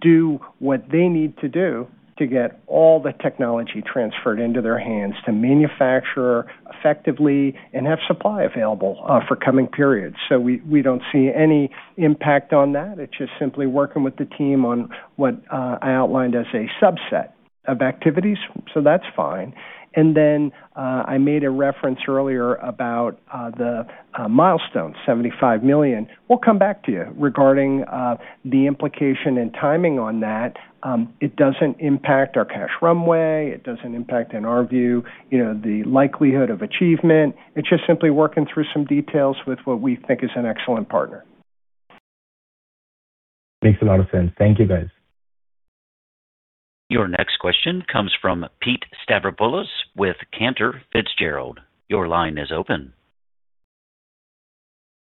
do what they need to do to get all the technology transferred into their hands to manufacture effectively and have supply available for coming periods. We don't see any impact on that. It's just simply working with the team on what I outlined as a subset of activities, so that's fine. Then, I made a reference earlier about the milestone, $75 million. We'll come back to you regarding the implication and timing on that. It doesn't impact our cash runway. It doesn't impact, in our view, you know, the likelihood of achievement. It's just simply working through some details with what we think is an excellent partner. Makes a lot of sense. Thank you, guys. Your next question comes from Pete Stavropoulos with Cantor Fitzgerald. Your line is open.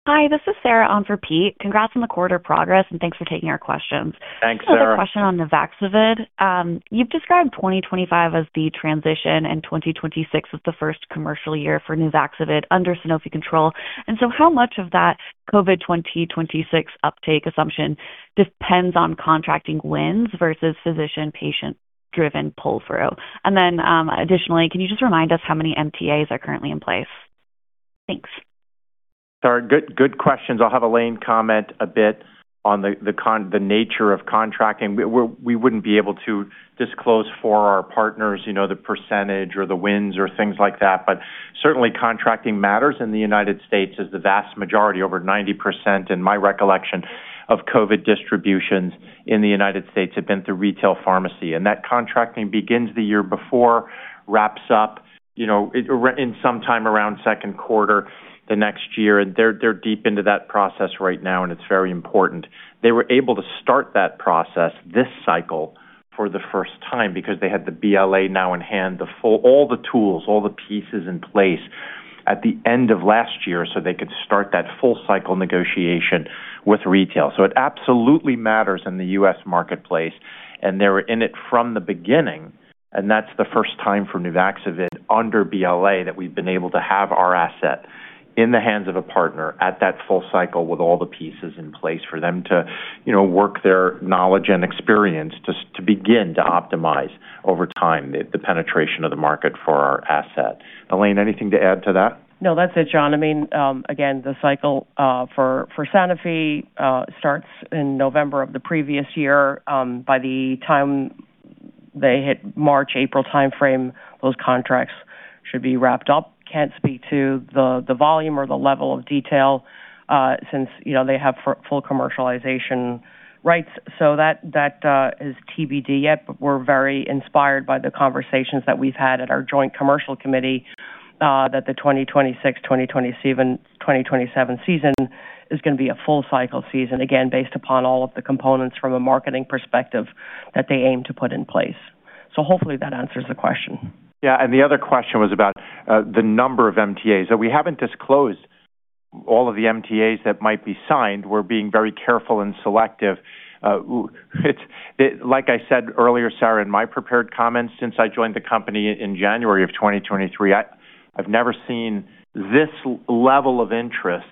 Hi, this is Sarah on for Pete. Congrats on the quarter progress. Thanks for taking our questions. Thanks, Sarah. Another question on Nuvaxovid. You've described 2025 as the transition and 2026 as the first commercial year for Nuvaxovid under Sanofi control. How much of that COVID 2026 uptake assumption depends on contracting wins versus physician patient mix driven pull-through. Additionally, can you just remind us how many MTAs are currently in place? Thanks. Sorry, good questions. I'll have Elaine comment a bit on the nature of contracting. We wouldn't be able to disclose for our partners, you know, the percentage or the wins or things like that. Certainly, contracting matters in the United States, as the vast majority, over 90%, in my recollection, of COVID distributions in the United States have been through retail pharmacy. That contracting begins the year before, wraps up, you know, in sometime around Q2 the next year, and they're deep into that process right now, and it's very important. They were able to start that process this cycle for the first time because they had the BLA now in hand, all the tools, all the pieces in place at the end of last year, so they could start that full cycle negotiation with retail. It absolutely matters in the U.S. marketplace, and they were in it from the beginning, and that's the first time for Nuvaxovid under BLA, that we've been able to have our asset in the hands of a partner at that full cycle, with all the pieces in place for them to, you know, work their knowledge and experience to begin to optimize over time, the penetration of the market for our asset. Elaine, anything to add to that? No, that's it, John. I mean, again, the cycle for Sanofi starts in November of the previous year. By the time they hit March, April timeframe, those contracts should be wrapped up. Can't speak to the volume or the level of detail, since, you know, they have full commercialization rights. That is TBD yet, but we're very inspired by the conversations that we've had at our joint commercial committee, that the 2026, 2027 season is gonna be a full cycle season, again, based upon all of the components from a marketing perspective that they aim to put in place. Hopefully that answers the question. Yeah, the other question was about the number of MTAs. We haven't disclosed all of the MTAs that might be signed. We're being very careful and selective. Like I said earlier, Sarah, in my prepared comments, since I joined the company in January of 2023, I've never seen this level of interest.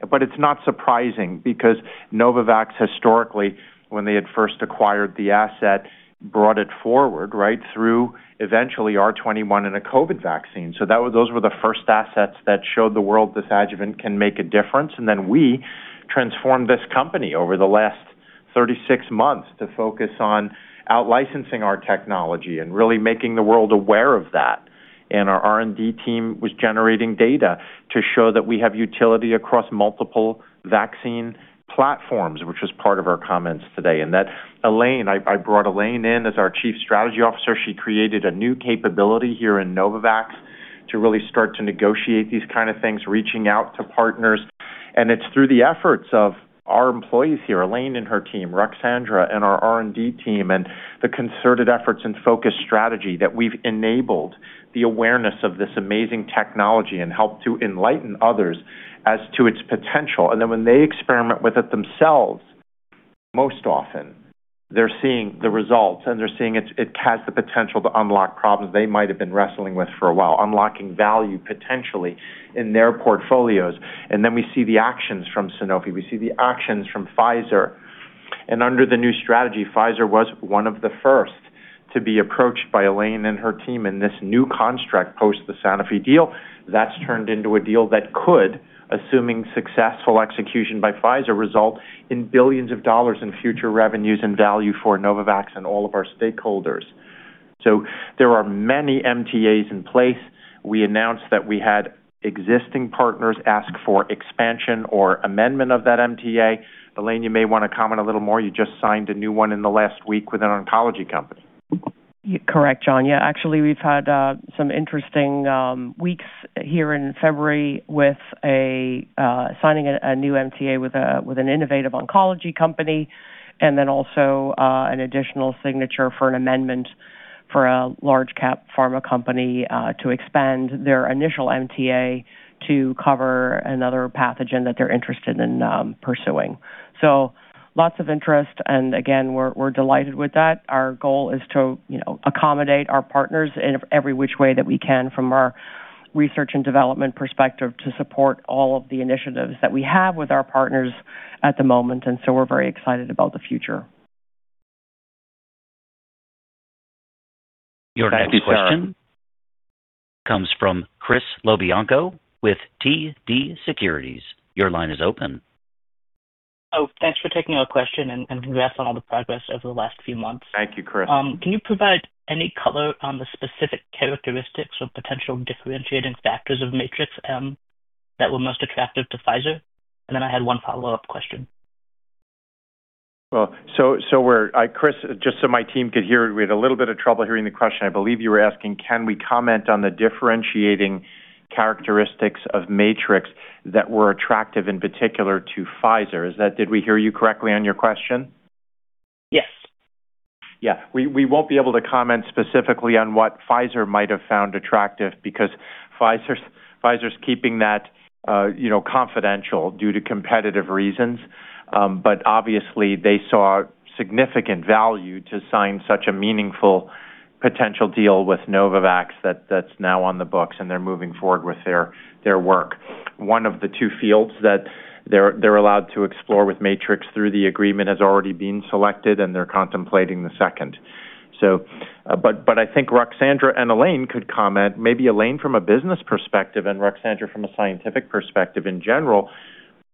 It's not surprising because Novavax, historically, when they had first acquired the asset, brought it forward, right? Through eventually R21 and a COVID vaccine. Those were the first assets that showed the world this adjuvant can make a difference. We transformed this company over the last 36 months to focus on out-licensing our technology and really making the world aware of that. Our R&D team was generating data to show that we have utility across multiple vaccine platforms, which was part of our comments today. That Elaine, I brought Elaine in as our chief strategy officer. She created a new capability here in Novavax to really start to negotiate these kind of things, reaching out to partners. It's through the efforts of our employees here, Elaine and her team, Ruxandra and our R&D team, and the concerted efforts and focused strategy, that we've enabled the awareness of this amazing technology and helped to enlighten others as to its potential. When they experiment with it themselves, most often they're seeing the results, and they're seeing it has the potential to unlock problems they might have been wrestling with for a while, unlocking value, potentially, in their portfolios. We see the actions from Sanofi. We see the actions from Pfizer. Under the new strategy, Pfizer was one of the first to be approached by Elaine and her team in this new construct post the Sanofi deal. That's turned into a deal that could, assuming successful execution by Pfizer, result in billions of dollars in future revenues and value for Novavax and all of our stakeholders. There are many MTAs in place. We announced that we had existing partners ask for expansion or amendment of that MTA. Elaine, you may want to comment a little more. You just signed a new one in the last week with an oncology company. You're correct, John. Actually, we've had some interesting weeks here in February with a signing a new MTA with an innovative oncology company, also an additional signature for an amendment for a large cap pharma company to expand their initial MTA to cover another pathogen that they're interested in pursuing. Lots of interest, again, we're delighted with that. Our goal is to, you know, accommodate our partners in every which way that we can from our research and development perspective, to support all of the initiatives that we have with our partners at the moment. We're very excited about the future. Your next question comes from Chris LoBianco with TD Securities. Your line is open. Thanks for taking our question, and congrats on all the progress over the last few months. Thank you, Chris. Can you provide any color on the specific characteristics or potential differentiating factors of Matrix-M that were most attractive to Pfizer? I had one follow-up question. Well, Chris, just so my team could hear, we had a little bit of trouble hearing the question. I believe you were asking, can we comment on the differentiating characteristics of Matrix that were attractive, in particular, to Pfizer? Did we hear you correctly on your question? Yes. Yeah. We won't be able to comment specifically on what Pfizer might have found attractive because Pfizer's keeping that, you know, confidential due to competitive reasons. Obviously, they saw significant value to sign such a meaningful potential deal with Novavax that's now on the books, and they're moving forward with their work. One of the two fields that they're allowed to explore with Matrix through the agreement has already been selected, and they're contemplating the second. But I think Ruxandra and Elaine could comment, maybe Elaine from a business perspective and Ruxandra from a scientific perspective in general,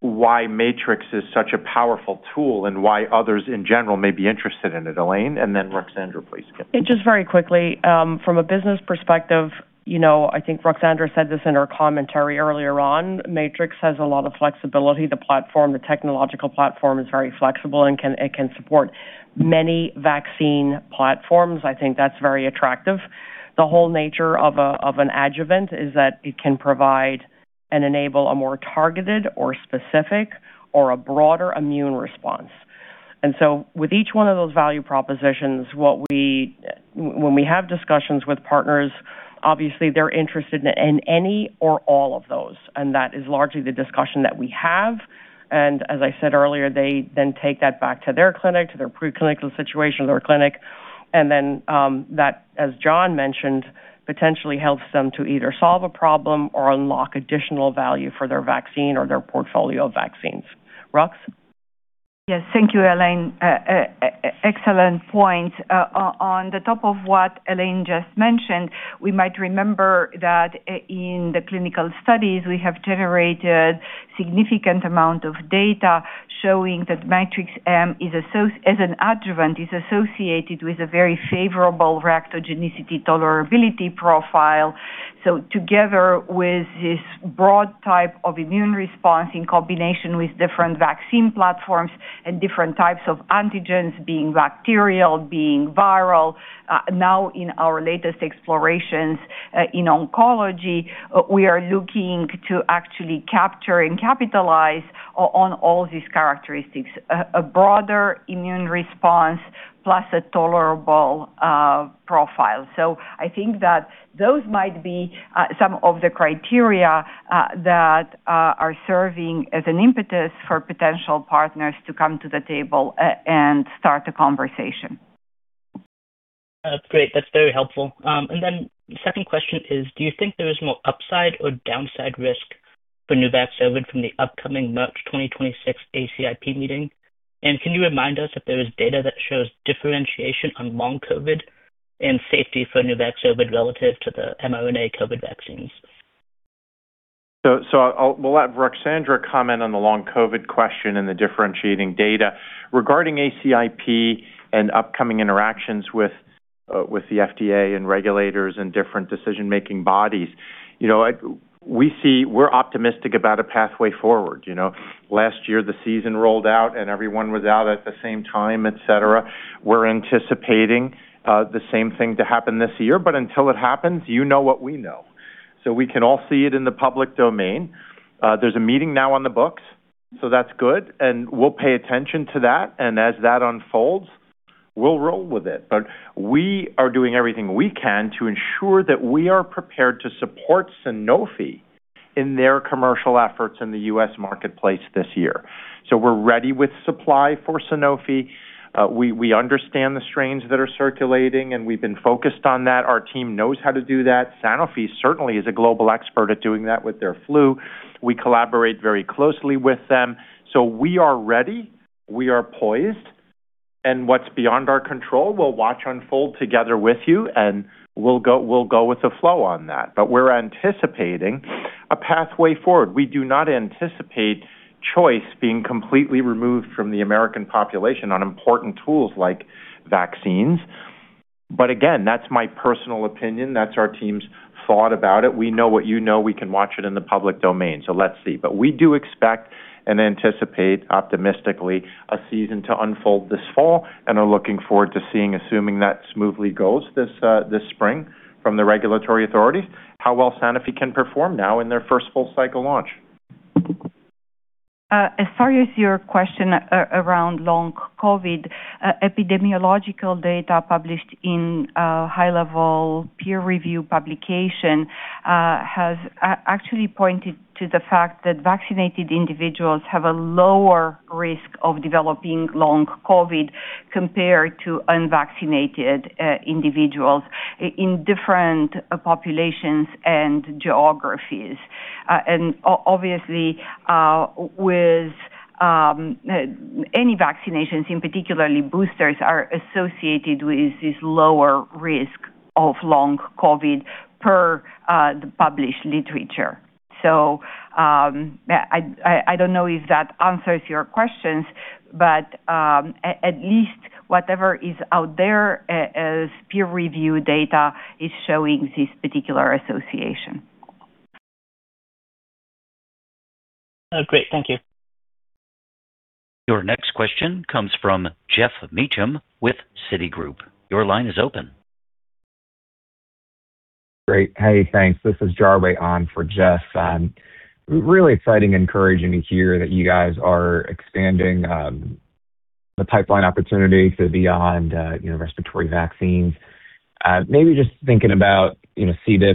why Matrix is such a powerful tool and why others in general may be interested in it. Elaine, and then Ruxandra, please. Just very quickly, from a business perspective, you know, I think Ruxandra said this in her commentary earlier on, Matrix-M has a lot of flexibility. The platform, the technological platform is very flexible and it can support many vaccine platforms. I think that's very attractive. The whole nature of an adjuvant is that it can provide and enable a more targeted or specific or a broader immune response. With each one of those value propositions, when we have discussions with partners, obviously they're interested in any or all of those, and that is largely the discussion that we have. As I said earlier, they then take that back to their clinic, to their preclinical situation or clinic, and then, that, as John mentioned, potentially helps them to either solve a problem or unlock additional value for their vaccine or their portfolio of vaccines. Rux? Yes, thank you, Elaine. Excellent point. On the top of what Elaine just mentioned, we might remember that in the clinical studies, we have generated significant amount of data showing that Matrix-M as an adjuvant, is associated with a very favorable reactogenicity tolerability profile. Together with this broad type of immune response in combination with different vaccine platforms and different types of antigens being bacterial, being viral, now in our latest explorations in oncology, we are looking to actually capture and capitalize on all these characteristics, a broader immune response plus a tolerable profile. I think that those might be some of the criteria that are serving as an impetus for potential partners to come to the table and start a conversation. Great. That's very helpful. The second question is, do you think there is more upside or downside risk for Nuvaxovid from the upcoming March 2026 ACIP meeting? Can you remind us if there is data that shows differentiation on long COVID and safety for Nuvaxovid relative to the mRNA COVID vaccines? We'll let Ruxandra comment on the long COVID question and the differentiating data. Regarding ACIP and upcoming interactions with the FDA and regulators and different decision-making bodies, you know, I, we're optimistic about a pathway forward. You know, last year, the season rolled out, and everyone was out at the same time, et cetera. We're anticipating the same thing to happen this year, but until it happens, you know what we know. We can all see it in the public domain. There's a meeting now on the books, so that's good, and we'll pay attention to that, and as that unfolds, we'll roll with it. We are doing everything we can to ensure that we are prepared to support Sanofi in their commercial efforts in the U.S. marketplace this year. We're ready with supply for Sanofi. We understand the strains that are circulating, and we've been focused on that. Our team knows how to do that. Sanofi certainly is a global expert at doing that with their flu. We collaborate very closely with them, so we are ready, we are poised, and what's beyond our control, we'll watch unfold together with you, and we'll go with the flow on that. We're anticipating a pathway forward. We do not anticipate choice being completely removed from the American population on important tools like vaccines. Again, that's my personal opinion. That's our team's thought about it. We know what you know. We can watch it in the public domain, so let's see. We do expect and anticipate, optimistically, a season to unfold this fall, and are looking forward to seeing, assuming that smoothly goes this spring from the regulatory authorities, how well Sanofi can perform now in their first full cycle launch. As far as your question around long COVID, epidemiological data published in a high-level peer review publication, has actually pointed to the fact that vaccinated individuals have a lower risk of developing long COVID compared to unvaccinated individuals in different populations and geographies. Obviously, with any vaccinations, in particularly boosters, are associated with this lower risk of long COVID per the published literature. I don't know if that answers your questions, but at least whatever is out there, as peer review data is showing this particular association. Great. Thank you. Your next question comes from Geoff Meacham with Citigroup. Your line is open. Great. Hey, thanks. This is Jarryd on for Geoff. Really exciting, encouraging to hear that you guys are expanding the pipeline opportunity to beyond, you know, respiratory vaccines. Maybe just thinking about, you know,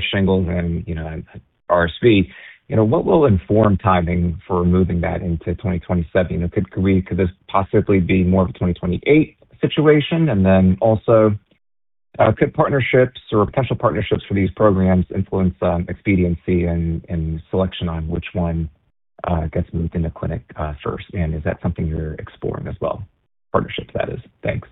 shingles and, you know, RSV, what will inform timing for moving that into 2027? Could this possibly be more of a 2028 situation? Also, could partnerships or potential partnerships for these programs influence expediency and selection on which one gets moved into clinic, first? Is that something you're exploring as well? Partnerships, that is. Thanks.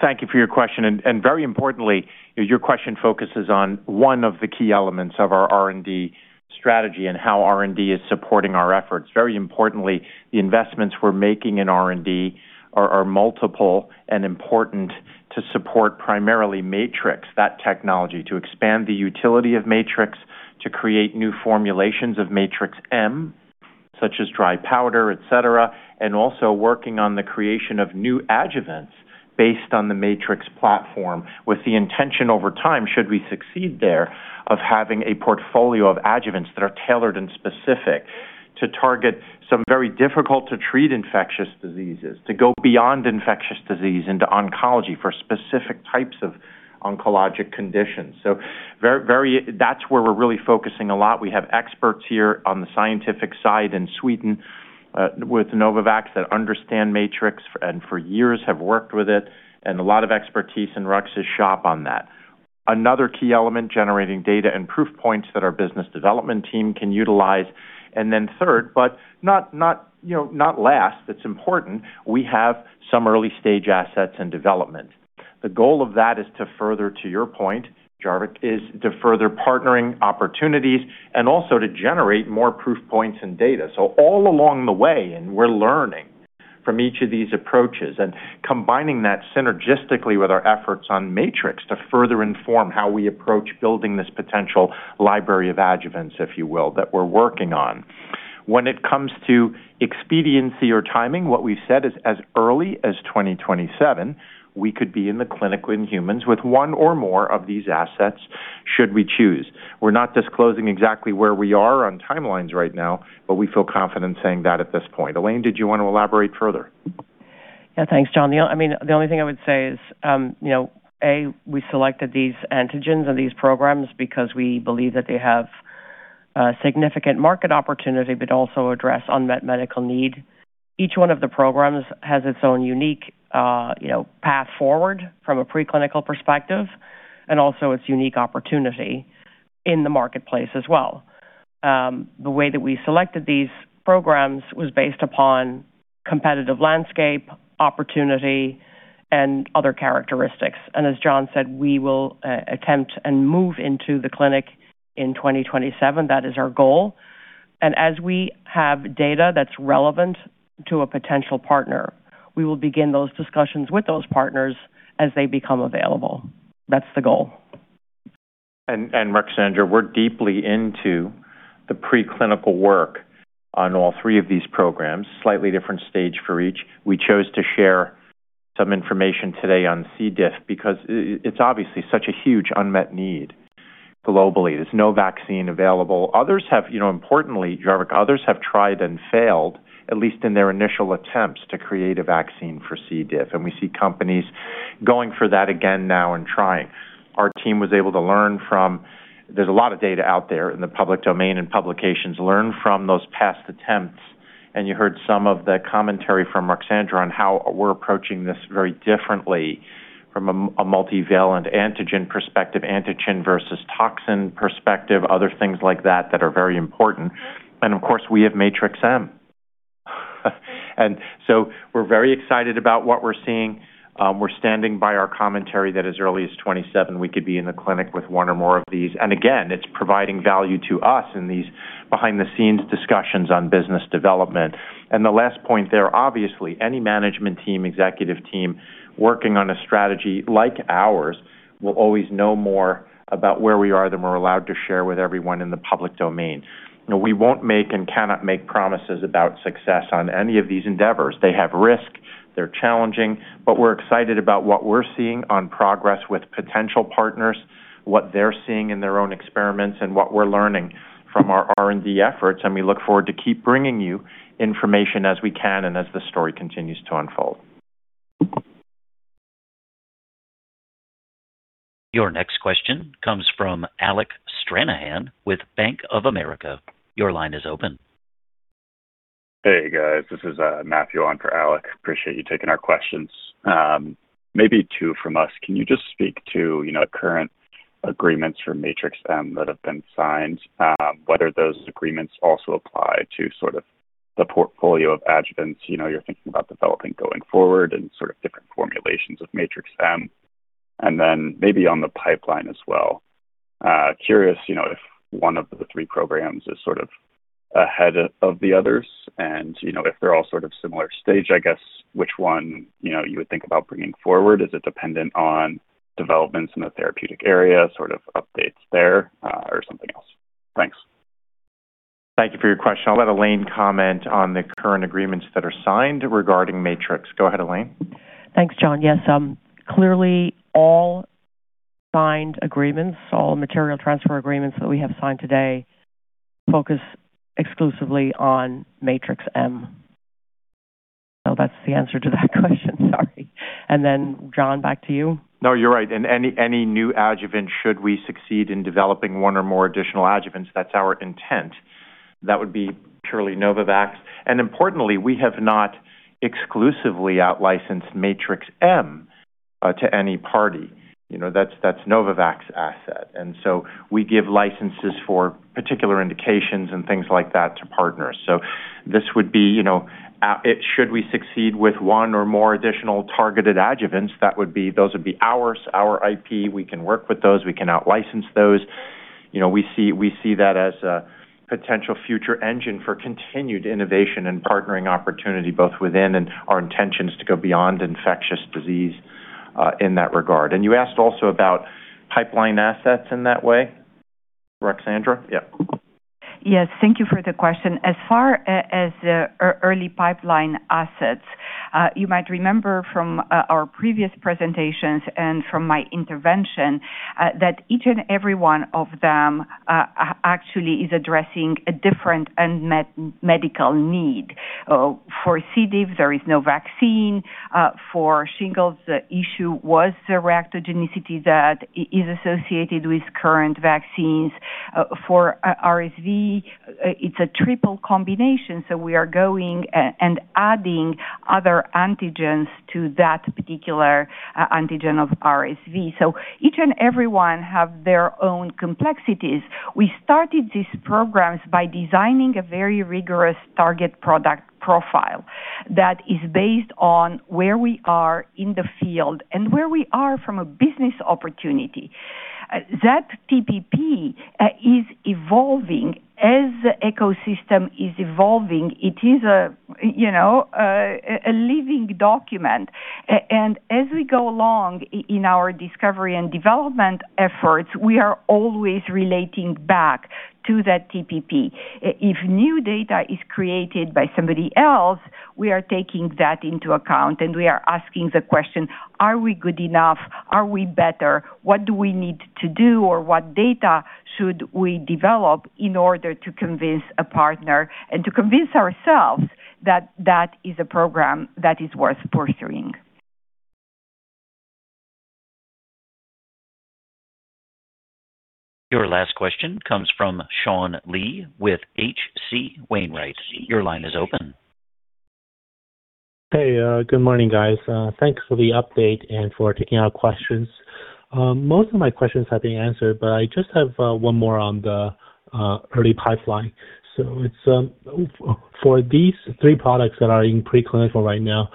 Thank you for your question. Very importantly, your question focuses on one of the key elements of our R&D strategy and how R&D is supporting our efforts. Very importantly, the investments we're making in R&D are multiple and important to support primarily Matrix, that technology, to expand the utility of Matrix, to create new formulations of Matrix-M, such as dry powder, et cetera, and also working on the creation of new adjuvants based on the Matrix platform, with the intention over time, should we succeed there, of having a portfolio of adjuvants that are tailored and specific to target some very difficult-to-treat infectious diseases, to go beyond infectious disease into oncology for specific types of oncologic conditions. That's where we're really focusing a lot. We have experts here on the scientific side in Sweden, with Novavax, that understand Matrix and for years have worked with it, and a lot of expertise in Rux's shop on that. Another key element, generating data and proof points that our business development team can utilize. Then third, but not, you know, not last, it's important, we have some early-stage assets in development. The goal of that is to further, to your point, Jarvik, is to further partnering opportunities and also to generate more proof points and data. All along the way, and we're learning from each of these approaches and combining that synergistically with our efforts on Matrix to further inform how we approach building this potential library of adjuvants, if you will, that we're working on. When it comes to expediency or timing, what we've said is, as early as 2027, we could be in the clinic with humans with one or more of these assets, should we choose. We're not disclosing exactly where we are on timelines right now. We feel confident saying that at this point. Elaine, did you want to elaborate further? Yeah. Thanks, John. I mean, the only thing I would say is, you know, A, we selected these antigens and these programs because we believe that they have significant market opportunity, but also address unmet medical need. Each one of the programs has its own unique, you know, path forward from a preclinical perspective and also its unique opportunity in the marketplace as well. The way that we selected these programs was based upon competitive landscape, opportunity, and other characteristics. As John said, we will attempt and move into the clinic in 2027. That is our goal. As we have data that's relevant to a potential partner, we will begin those discussions with those partners as they become available. That's the goal. Ruxandra, we're deeply into the preclinical work on all three of these programs. Slightly different stage for each. We chose to share some information today on C. diff because it's obviously such a huge unmet need globally. There's no vaccine available. You know, importantly, Jarvik, others have tried and failed, at least in their initial attempts, to create a vaccine for C. diff, and we see companies going for that again now and trying. Our team was able to learn from. There's a lot of data out there in the public domain and publications, learn from those past attempts. You heard some of the commentary from Ruxandra on how we're approaching this very differently from a multivalent antigen perspective, antigen versus toxin perspective, other things like that that are very important. Of course, we have Matrix-M. We're very excited about what we're seeing. We're standing by our commentary that as early as 2027, we could be in the clinic with one or more of these. Again, it's providing value to us in these behind-the-scenes discussions on business development. The last point there, obviously, any management team, executive team, working on a strategy like ours will always know more about where we are than we're allowed to share with everyone in the public domain. You know, we won't make and cannot make promises about success on any of these endeavors. They have risk, they're challenging, but we're excited about what we're seeing on progress with potential partners, what they're seeing in their own experiments, and what we're learning from our R&D efforts. We look forward to keep bringing you information as we can and as the story continues to unfold. Thank you. Your next question comes from Alec Stranahan with Bank of America. Your line is open. Hey, guys. This is Matthew on for Alec. Appreciate you taking our questions. Maybe two from us. Can you just speak to, you know, current agreements for Matrix-M that have been signed, whether those agreements also apply to sort of the portfolio of adjuvants, you know, you're thinking about developing going forward and sort of different formulations of Matrix-M? Maybe on the pipeline as well, curious, you know, if one of the three programs is sort of ahead of the others and, you know, if they're all sort of similar stage, I guess, which one, you know, you would think about bringing forward? Is it dependent on developments in the therapeutic area, sort of updates there, or something else? Thanks. Thank you for your question. I'll let Elaine comment on the current agreements that are signed regarding Matrix. Go ahead, Elaine. Thanks, John. Yes, clearly, all signed agreements, all material transfer agreements that we have signed today, focus exclusively on Matrix-M. That's the answer to that question. Sorry. John, back to you. No, you're right. Any new adjuvant, should we succeed in developing one or more additional adjuvants, that's our intent. That would be purely Novavax. Importantly, we have not exclusively outlicensed Matrix-M to any party. You know, that's Novavax's asset, and so we give licenses for particular indications and things like that to partners. So this would be, you know, it should we succeed with one or more additional targeted adjuvants, those would be ours, our IP. We can work with those. We can out-license those. You know, we see, we see that as a potential future engine for continued innovation and partnering opportunity, both within and our intentions to go beyond infectious disease in that regard. You asked also about pipeline assets in that way, Ruxandra? Yeah. Yes, thank you for the question. As far as early pipeline assets, you might remember from our previous presentations and from my intervention, that each and every one of them actually is addressing a different unmet medical need. For C. diff, there is no vaccine. For shingles, the issue was the reactogenicity that is associated with current vaccines. For RSV, it's a triple combination, so we are going and adding other antigens to that particular antigen of RSV. So each and every one have their own complexities. We started these programs by designing a very rigorous target product profile that is based on where we are in the field and where we are from a business opportunity. That TPP is evolving as the ecosystem is evolving. It is a, you know, a living document. As we go along in our discovery and development efforts, we are always relating back to that TPP. If new data is created by somebody else, we are taking that into account, and we are asking the question, "Are we good enough? Are we better? What do we need to do, or what data should we develop in order to convince a partner and to convince ourselves that that is a program that is worth pursuing? Your last question comes from Sean Lee with H.C. Wainwright & Co. Your line is open. Hey, good morning, guys. Thanks for the update and for taking our questions. Most of my questions have been answered, but I just have one more on the early pipeline. It's for these three products that are in preclinical right now,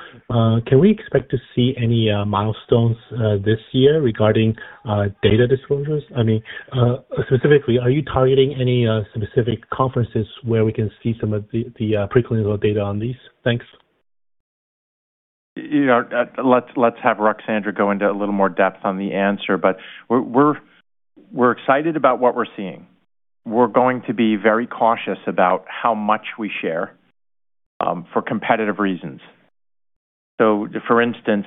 can we expect to see any milestones this year regarding data disclosures? I mean, specifically, are you targeting any specific conferences where we can see some of the preclinical data on these? Thanks. You know, let's have Ruxandra go into a little more depth on the answer, but we're excited about what we're seeing. We're going to be very cautious about how much we share for competitive reasons. For instance,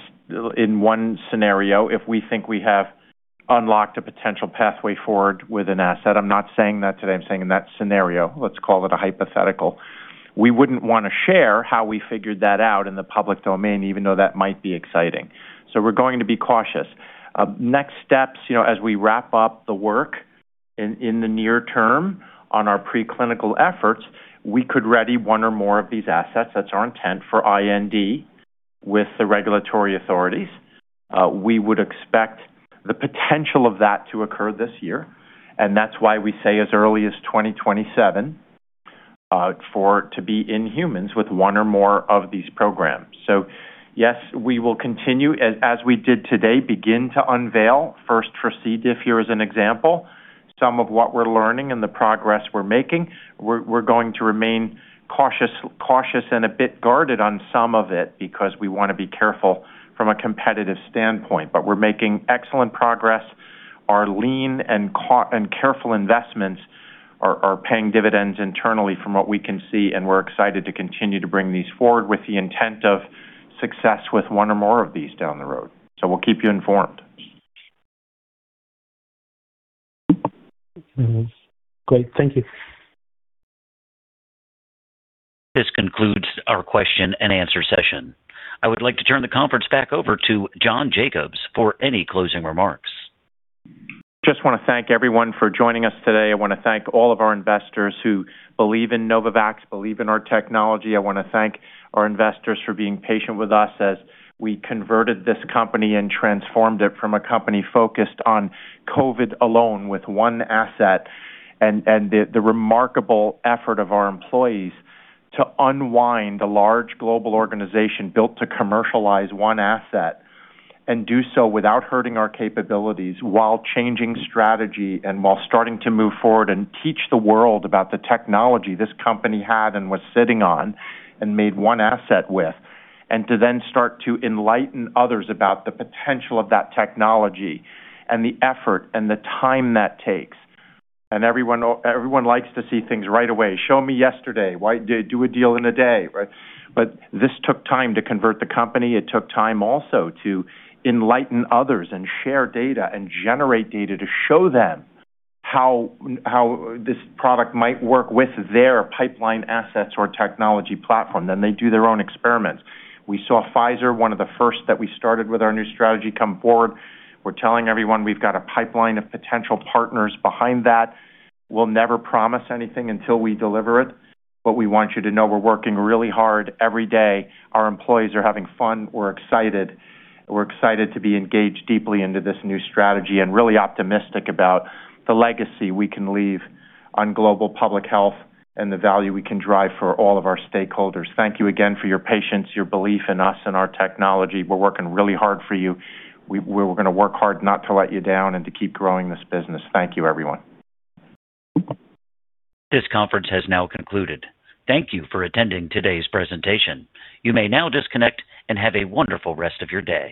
in one scenario, if we think we have unlocked a potential pathway forward with an asset, I'm not saying that today, I'm saying in that scenario, let's call it a hypothetical, we wouldn't want to share how we figured that out in the public domain, even though that might be exciting. We're going to be cautious. Next steps, you know, as we wrap up the work in the near term on our preclinical efforts, we could ready one or more of these assets, that's our intent, for IND with the regulatory authorities. We would expect the potential of that to occur this year, and that's why we say as early as 2027, for to be in humans with one or more of these programs. Yes, we will continue, as we did today, begin to unveil first for C. diff, here as an example, some of what we're learning and the progress we're making. We're going to remain cautious and a bit guarded on some of it because we want to be careful from a competitive standpoint. We're making excellent progress. Our lean and careful investments are paying dividends internally from what we can see, and we're excited to continue to bring these forward with the intent of success with one or more of these down the road. We'll keep you informed. Great. Thank you. This concludes our question and answer session. I would like to turn the conference back over to John Jacobs for any closing remarks. Just want to thank everyone for joining us today. I want to thank all of our investors who believe in Novavax, believe in our technology. I want to thank our investors for being patient with us as we converted this company and transformed it from a company focused on COVID alone with one asset, and the remarkable effort of our employees to unwind a large global organization built to commercialize one asset and do so without hurting our capabilities while changing strategy and while starting to move forward and teach the world about the technology this company had and was sitting on and made one asset with, to then start to enlighten others about the potential of that technology and the effort and the time that takes. Everyone likes to see things right away. Show me yesterday. Why do a deal in a day," right? This took time to convert the company. It took time also to enlighten others and share data and generate data to show them how this product might work with their pipeline assets or technology platform. They do their own experiments. We saw Pfizer, one of the first that we started with our new strategy, come forward. We're telling everyone we've got a pipeline of potential partners behind that. We'll never promise anything until we deliver it. We want you to know we're working really hard every day. Our employees are having fun. We're excited. We're excited to be engaged deeply into this new strategy and really optimistic about the legacy we can leave on global public health and the value we can drive for all of our stakeholders. Thank you again for your patience, your belief in us and our technology. We're working really hard for you. We're gonna work hard not to let you down and to keep growing this business. Thank you, everyone. This conference has now concluded. Thank you for attending today's presentation. You may now disconnect and have a wonderful rest of your day.